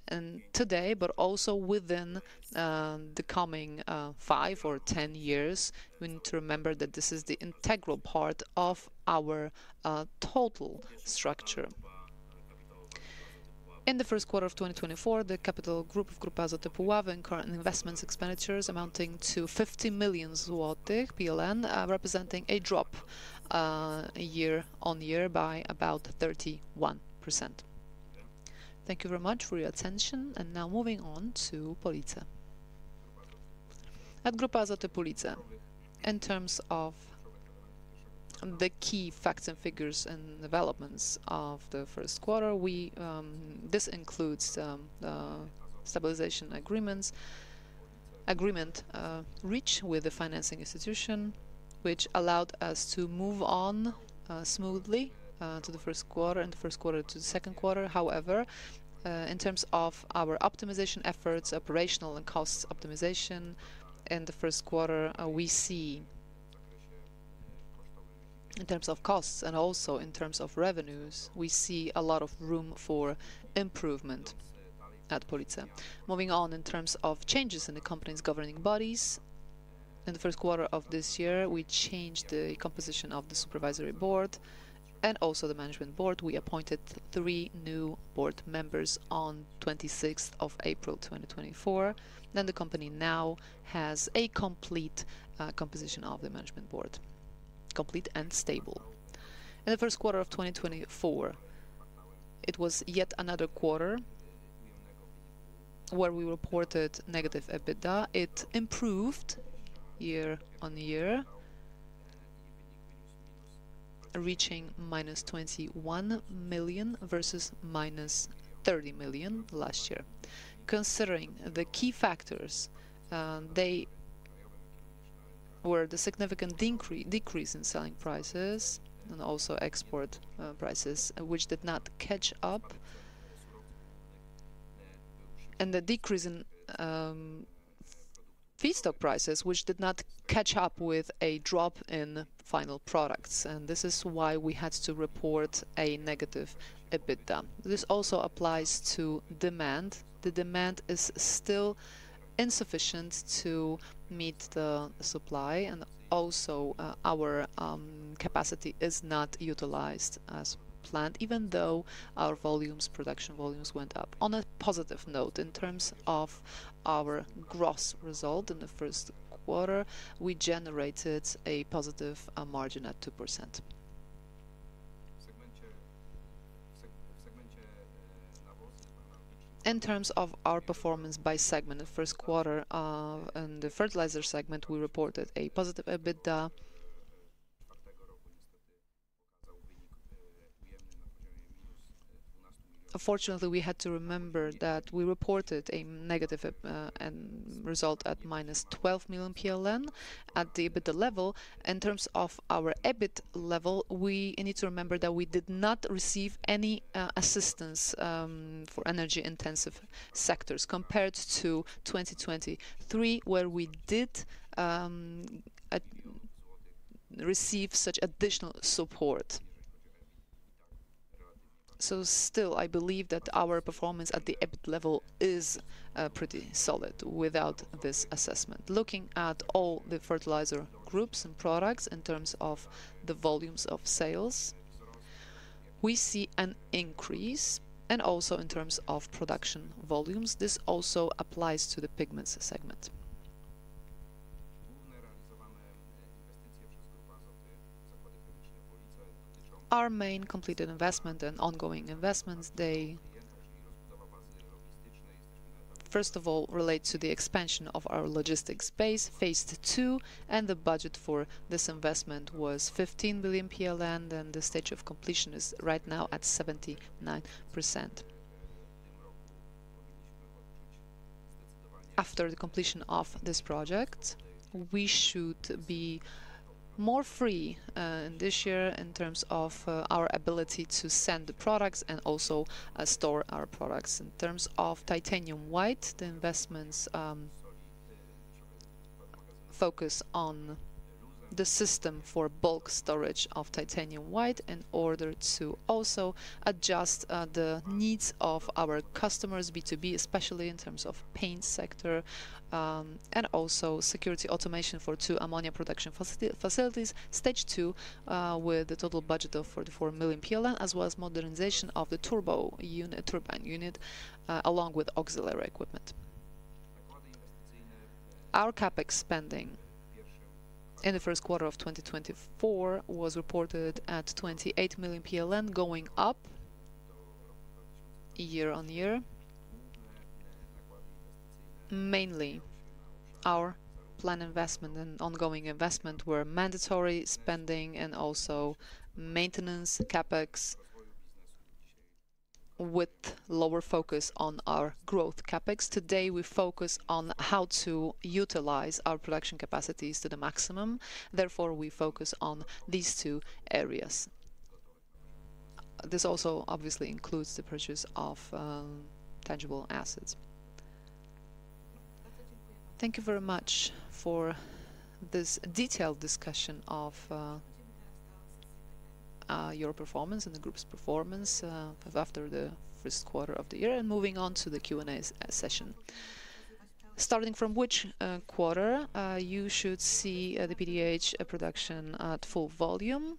and today, but also within the coming 5 or 10 years. We need to remember that this is the integral part of our total structure. In the first quarter of 2024, the capital group of Grupa Azoty Puławy in current investments, expenditures amounting to 50 million zloty, representing a drop, year-on-year by about 31%. Thank you very much for your attention, and now moving on to Police. At Grupa Azoty Police, in terms of the key facts and figures and developments of the first quarter, we... This includes, stabilization agreements, agreement, reach with the financing institution, which allowed us to move on, smoothly, to the first quarter, and the first quarter to the second quarter. However, in terms of our optimization efforts, operational and cost optimization in the first quarter, we see in terms of costs and also in terms of revenues, we see a lot of room for improvement at Police. Moving on, in terms of changes in the company's governing bodies, in the first quarter of this year, we changed the composition of the supervisory board and also the management board. We appointed three new board members on 26th of April, 2024. Then the company now has a complete composition of the management board, complete and stable. In the first quarter of 2024, it was yet another quarter where we reported negative EBITDA. It improved year-on-year, reaching -21 million versus -30 million last year. Considering the key factors, they were the significant decrease in selling prices and also export prices, which did not catch up, and the decrease in feedstock prices, which did not catch up with a drop in final products, and this is why we had to report a negative EBITDA. This also applies to demand. The demand is still insufficient to meet the supply, and also, our capacity is not utilized as planned, even though our volumes, production volumes went up. On a positive note, in terms of our gross result in the first quarter, we generated a positive margin at 2%. In terms of our performance by segment, the first quarter, in the fertilizer segment, we reported a positive EBITDA. Unfortunately, we had to remember that we reported a negative end result at -12 million PLN at the EBITDA level. In terms of our EBIT level, we need to remember that we did not receive any assistance for energy-intensive sectors compared to 2023, where we did receive such additional support. So still, I believe that our performance at the EBIT level is pretty solid without this assessment. Looking at all the fertilizer groups and products in terms of the volumes of sales, we see an increase and also in terms of production volumes. This also applies to the pigments segment. Our main completed investment and ongoing investments, they, first of all, relate to the expansion of our logistics base, phase two, and the budget for this investment was 15 billion PLN, and the stage of completion is right now at 79%. After the completion of this project, we should be more free in this year in terms of our ability to send the products and also store our products. In terms of Titanium White, the investments focus on the system for bulk storage of Titanium White in order to also adjust the needs of our customers, B2B, especially in terms of paint sector, and also security automation for two ammonia production facilities. Stage two with a total budget of 44 million PLN, as well as modernization of the turbo unit, turbine unit, along with auxiliary equipment. Our CapEx spending in the first quarter of 2024 was reported at 28 million PLN, going up year-over-year. Mainly, our planned investment and ongoing investment were mandatory spending and also maintenance CapEx with lower focus on our growth CapEx. Today, we focus on how to utilize our production capacities to the maximum, therefore, we focus on these two areas. This also obviously includes the purchase of tangible assets. Thank you very much for this detailed discussion of your performance and the group's performance after the first quarter of the year, and moving on to the Q&A session. Starting from which quarter you should see the PDH production at full volume,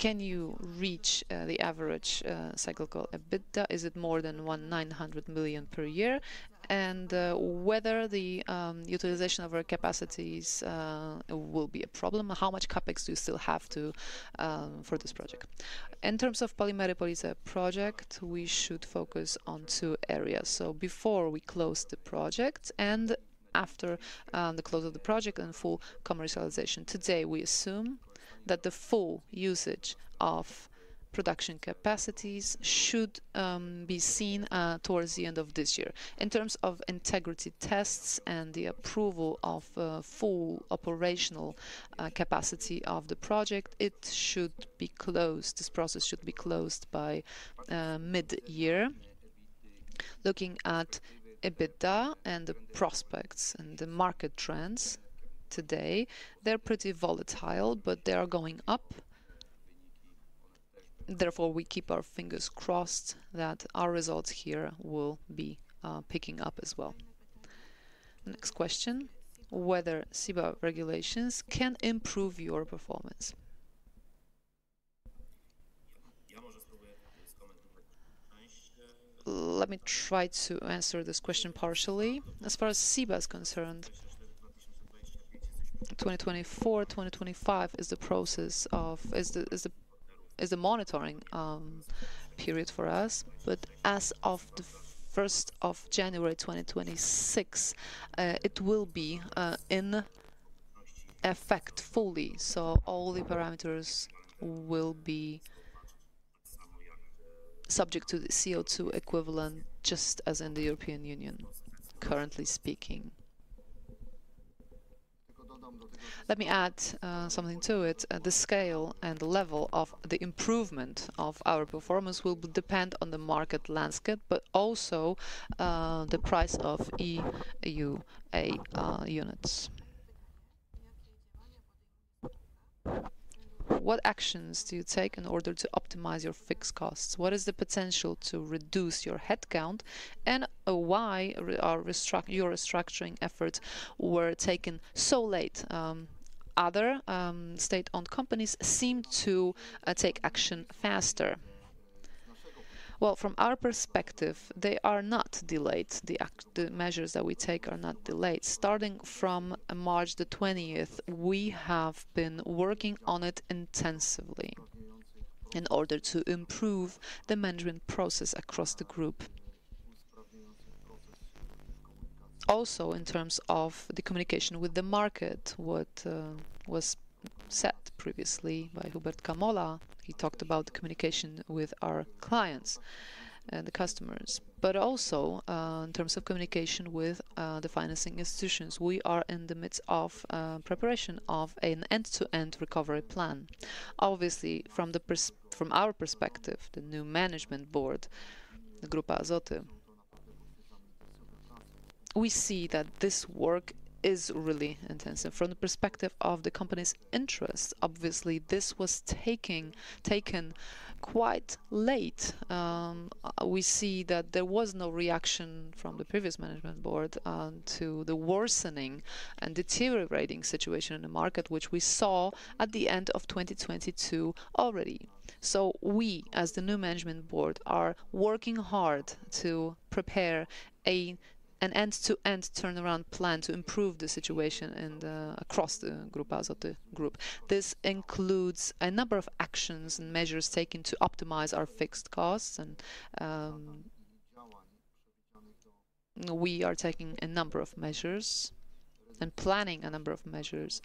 can you reach the average cyclical EBITDA? Is it more than 190 million per year? And whether the utilization of our capacities will be a problem, how much CapEx do you still have to for this project? In terms of Polimery Police project, we should focus on two areas. So before we close the project and after the close of the project and full commercialization. Today, we assume that the full usage of production capacities should be seen towards the end of this year. In terms of integrity tests and the approval of full operational capacity of the project, it should be closed... this process should be closed by mid-year. Looking at EBITDA and the prospects and the market trends today, they're pretty volatile, but they are going up. Therefore, we keep our fingers crossed that our results here will be picking up as well. Next question, whether CBAM regulations can improve your performance? Let me try to answer this question partially. As far as CBAM is concerned, 2024, 2025 is the process of... is the monitoring period for us, but as of the first of January 2026, it will be in effect fully, so all the parameters will be subject to the CO2 equivalent, just as in the European Union, currently speaking. Let me add something to it. The scale and the level of the improvement of our performance will depend on the market landscape, but also the price of EUA units. What actions do you take in order to optimize your fixed costs? What is the potential to reduce your headcount, and why your restructuring efforts were taken so late? Other state-owned companies seemed to take action faster. Well, from our perspective, they are not delayed. The actions, the measures that we take are not delayed. Starting from March the twentieth, we have been working on it intensively in order to improve the management process across the group. Also, in terms of the communication with the market, what was said previously by Hubert Kamola, he talked about communication with our clients and the customers. But also, in terms of communication with the financing institutions, we are in the midst of preparation of an end-to-end recovery plan. Obviously, from our perspective, the new management board, Grupa Azoty, we see that this work is really intensive. From the perspective of the company's interests, obviously, this was taken quite late. We see that there was no reaction from the previous management board to the worsening and deteriorating situation in the market, which we saw at the end of 2022 already. So we, as the new management board, are working hard to prepare an end-to-end turnaround plan to improve the situation and across the Grupa Azoty Group. This includes a number of actions and measures taken to optimize our fixed costs, and we are taking a number of measures and planning a number of measures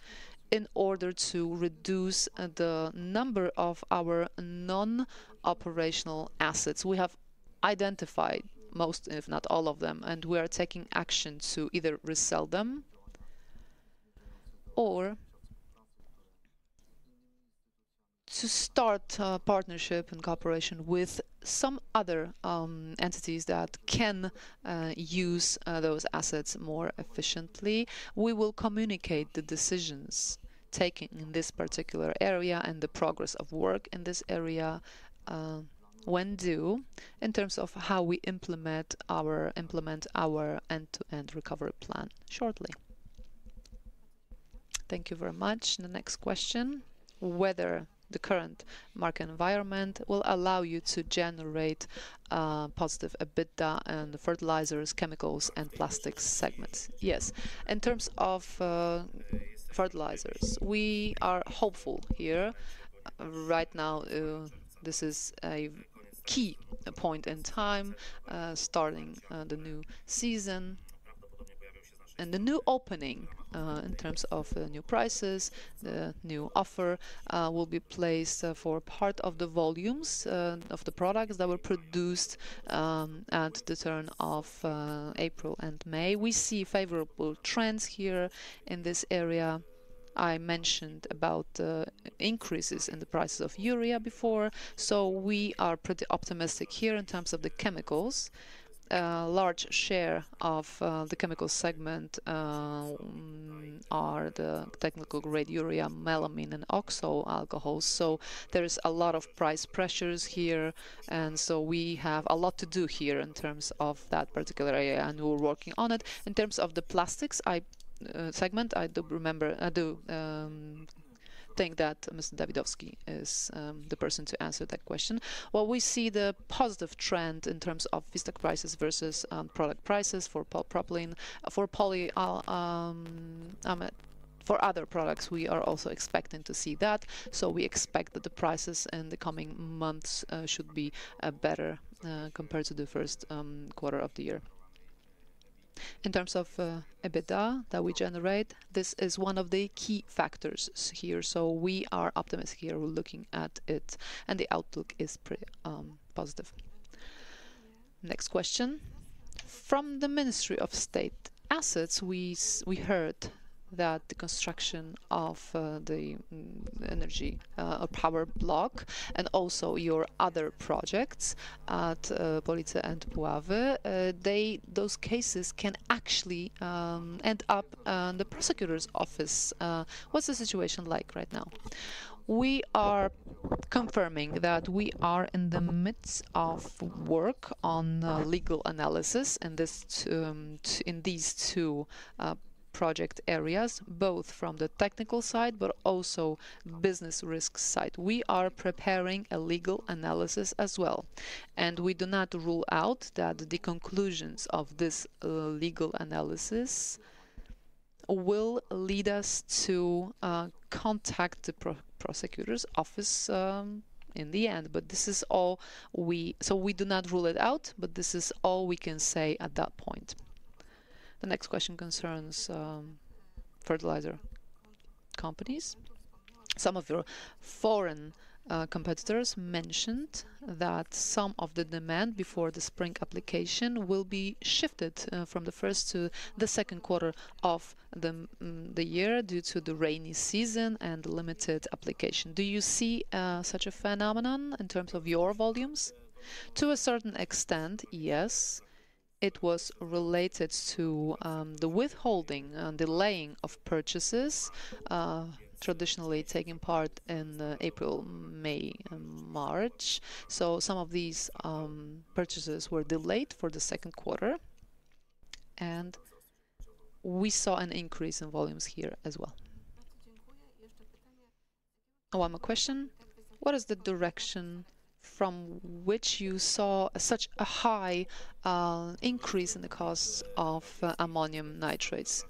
in order to reduce the number of our non-operational assets. We have identified most, if not all of them, and we are taking action to either resell them or to start a partnership and cooperation with some other entities that can use those assets more efficiently. We will communicate the decisions taken in this particular area and the progress of work in this area, when due, in terms of how we implement our end-to-end recovery plan shortly. Thank you very much. The next question, whether the current market environment will allow you to generate positive EBITDA in the fertilizers, chemicals, and plastics segments? Yes. In terms of fertilizers, we are hopeful here. Right now, this is a key point in time, starting the new season. The new opening, in terms of new prices, the new offer, will be placed for part of the volumes of the products that were produced at the turn of April and May. We see favorable trends here in this area. I mentioned about increases in the prices of urea before, so we are pretty optimistic here in terms of the chemicals. Large share of the chemical segment are the technical-grade urea, melamine, and oxo alcohols. So there is a lot of price pressures here, and so we have a lot to do here in terms of that particular area, and we're working on it. In terms of the plastics segment, I do remember... I do think that Mr. Dawidowski is the person to answer that question. Well, we see the positive trend in terms of feedstock prices versus product prices for polypropylene. For Polyols, for other products, we are also expecting to see that. So we expect that the prices in the coming months should be better compared to the first quarter of the year. In terms of EBITDA that we generate, this is one of the key factors here, so we are optimistic here. We're looking at it, and the outlook is pretty positive. Next question. From the Ministry of State Assets, we heard that the construction of the energy or power block, and also your other projects at Police and Puławy, they, those cases can actually end up in the prosecutor's office. What's the situation like right now? We are confirming that we are in the midst of work on a legal analysis in these 2 project areas, both from the technical side, but also business risk side. We are preparing a legal analysis as well, and we do not rule out that the conclusions of this legal analysis will lead us to contact the prosecutor's office in the end. But this is all we... So we do not rule it out, but this is all we can say at that point. The next question concerns fertilizer companies. Some of your foreign competitors mentioned that some of the demand before the spring application will be shifted from the first to the second quarter of the year due to the rainy season and limited application. Do you see such a phenomenon in terms of your volumes? To a certain extent, yes. It was related to the withholding and delaying of purchases traditionally taking part in April, May, and March. So some of these purchases were delayed for the second quarter, and we saw an increase in volumes here as well. One more question: What is the direction from which you saw such a high increase in the costs of ammonium nitrates?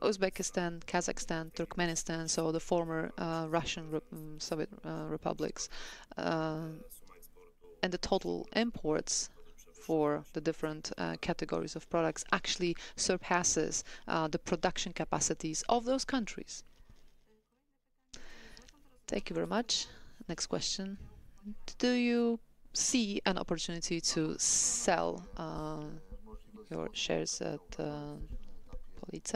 Uzbekistan, Kazakhstan, Turkmenistan, so the former Soviet republics, and the total imports for the different categories of products actually surpasses the production capacities of those countries. Thank you very much. Next question: Do you see an opportunity to sell your shares at Police?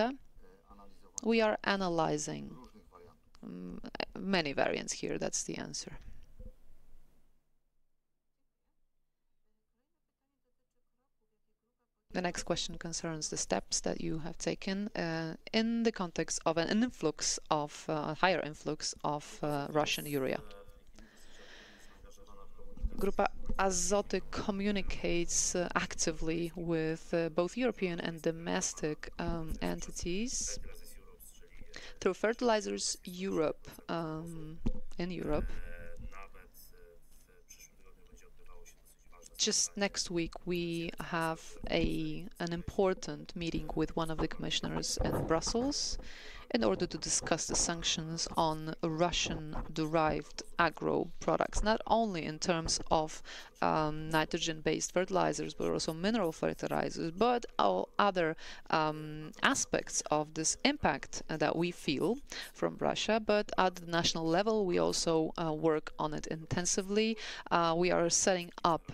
We are analyzing many variants here. That's the answer. The next question concerns the steps that you have taken in the context of an influx of higher influx of Russian urea. Grupa Azoty communicates actively with both European and domestic entities through Fertilizers Europe in Europe. Just next week, we have an important meeting with one of the commissioners in Brussels in order to discuss the sanctions on Russian-derived agro products, not only in terms of nitrogen-based fertilizers, but also mineral fertilizers, but all other aspects of this impact that we feel from Russia. But at the national level, we also work on it intensively. We are setting up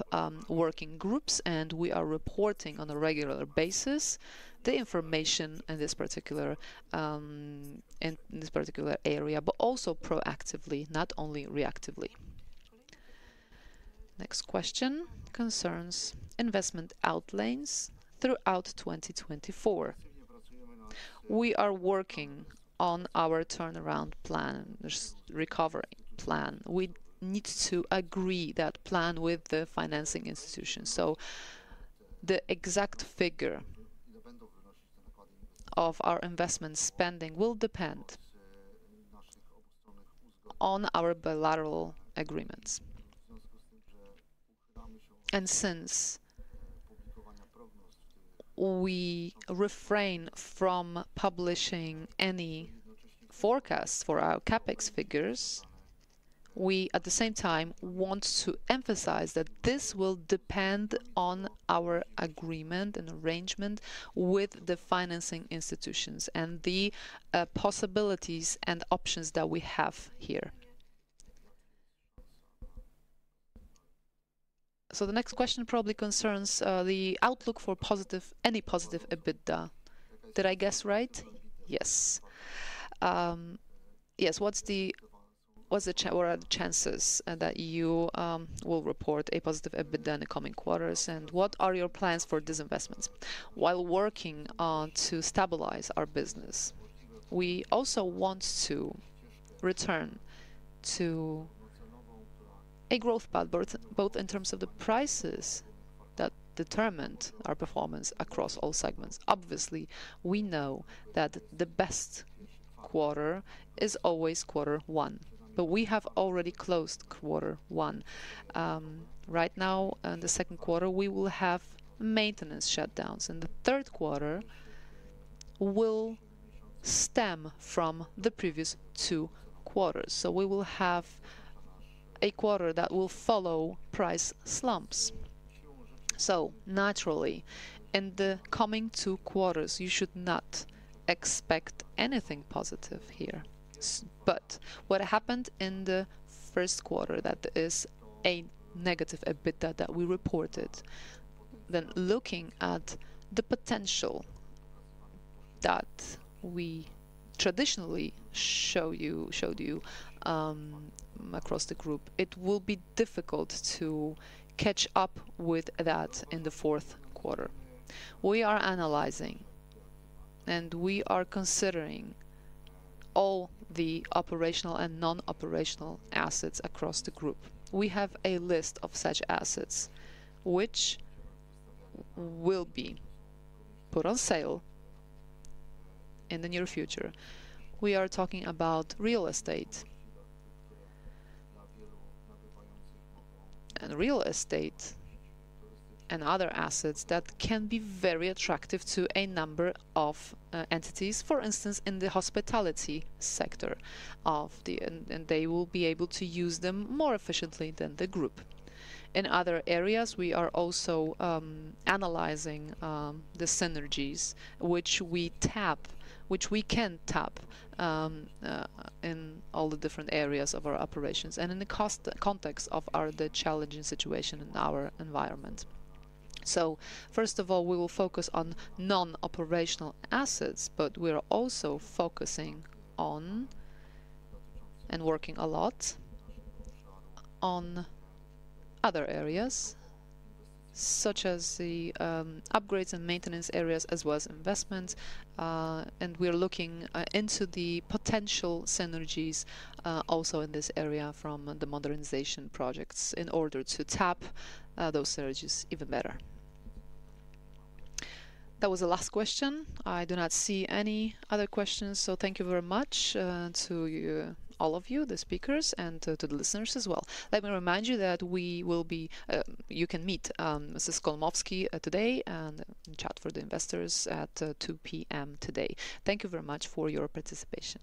working groups, and we are reporting on a regular basis the information in this particular area, but also proactively, not only reactively. Next question concerns investment outlays throughout 2024. We are working on our turnaround plan, recovery plan. We need to agree that plan with the financing institution. So the exact figure of our investment spending will depend on our bilateral agreements. And since we refrain from publishing any forecasts for our CapEx figures, we, at the same time, want to emphasize that this will depend on our agreement and arrangement with the financing institutions and the possibilities and options that we have here. So the next question probably concerns the outlook for positive, any positive EBITDA. Did I guess right? Yes. Yes, what are the chances that you will report a positive EBITDA in the coming quarters, and what are your plans for disinvestments? While working on to stabilize our business, we also want to return to a growth path, both, both in terms of the prices that determined our performance across all segments. Obviously, we know that the best quarter is always quarter one, but we have already closed quarter one. Right now, the second quarter, we will have maintenance shutdowns, and the third quarter will stem from the previous two quarters. So we will have a quarter that will follow price slumps. So naturally, in the coming two quarters, you should not expect anything positive here. But what happened in the first quarter, that is a negative EBITDA that we reported, then looking at the potential that we traditionally showed you across the group, it will be difficult to catch up with that in the fourth quarter. We are analyzing, and we are considering all the operational and non-operational assets across the group. We have a list of such assets which will be put on sale in the near future. We are talking about real estate. And real estate and other assets that can be very attractive to a number of entities, for instance, in the hospitality sector of the... And they will be able to use them more efficiently than the group. In other areas, we are also analyzing the synergies which we tap, which we can tap in all the different areas of our operations and in the cost context of our the challenging situation in our environment. So first of all, we will focus on non-operational assets, but we are also focusing on and working a lot on other areas, such as the upgrades and maintenance areas, as well as investment, and we're looking into the potential synergies also in this area from the modernization projects in order to tap those synergies even better. That was the last question. I do not see any other questions, so thank you very much to you, all of you, the speakers, and to the listeners as well. Let me remind you that we will be, you can meet Mr. Skolmowski today and chat for the investors at 2:00 P.M. today. Thank you very much for your participation.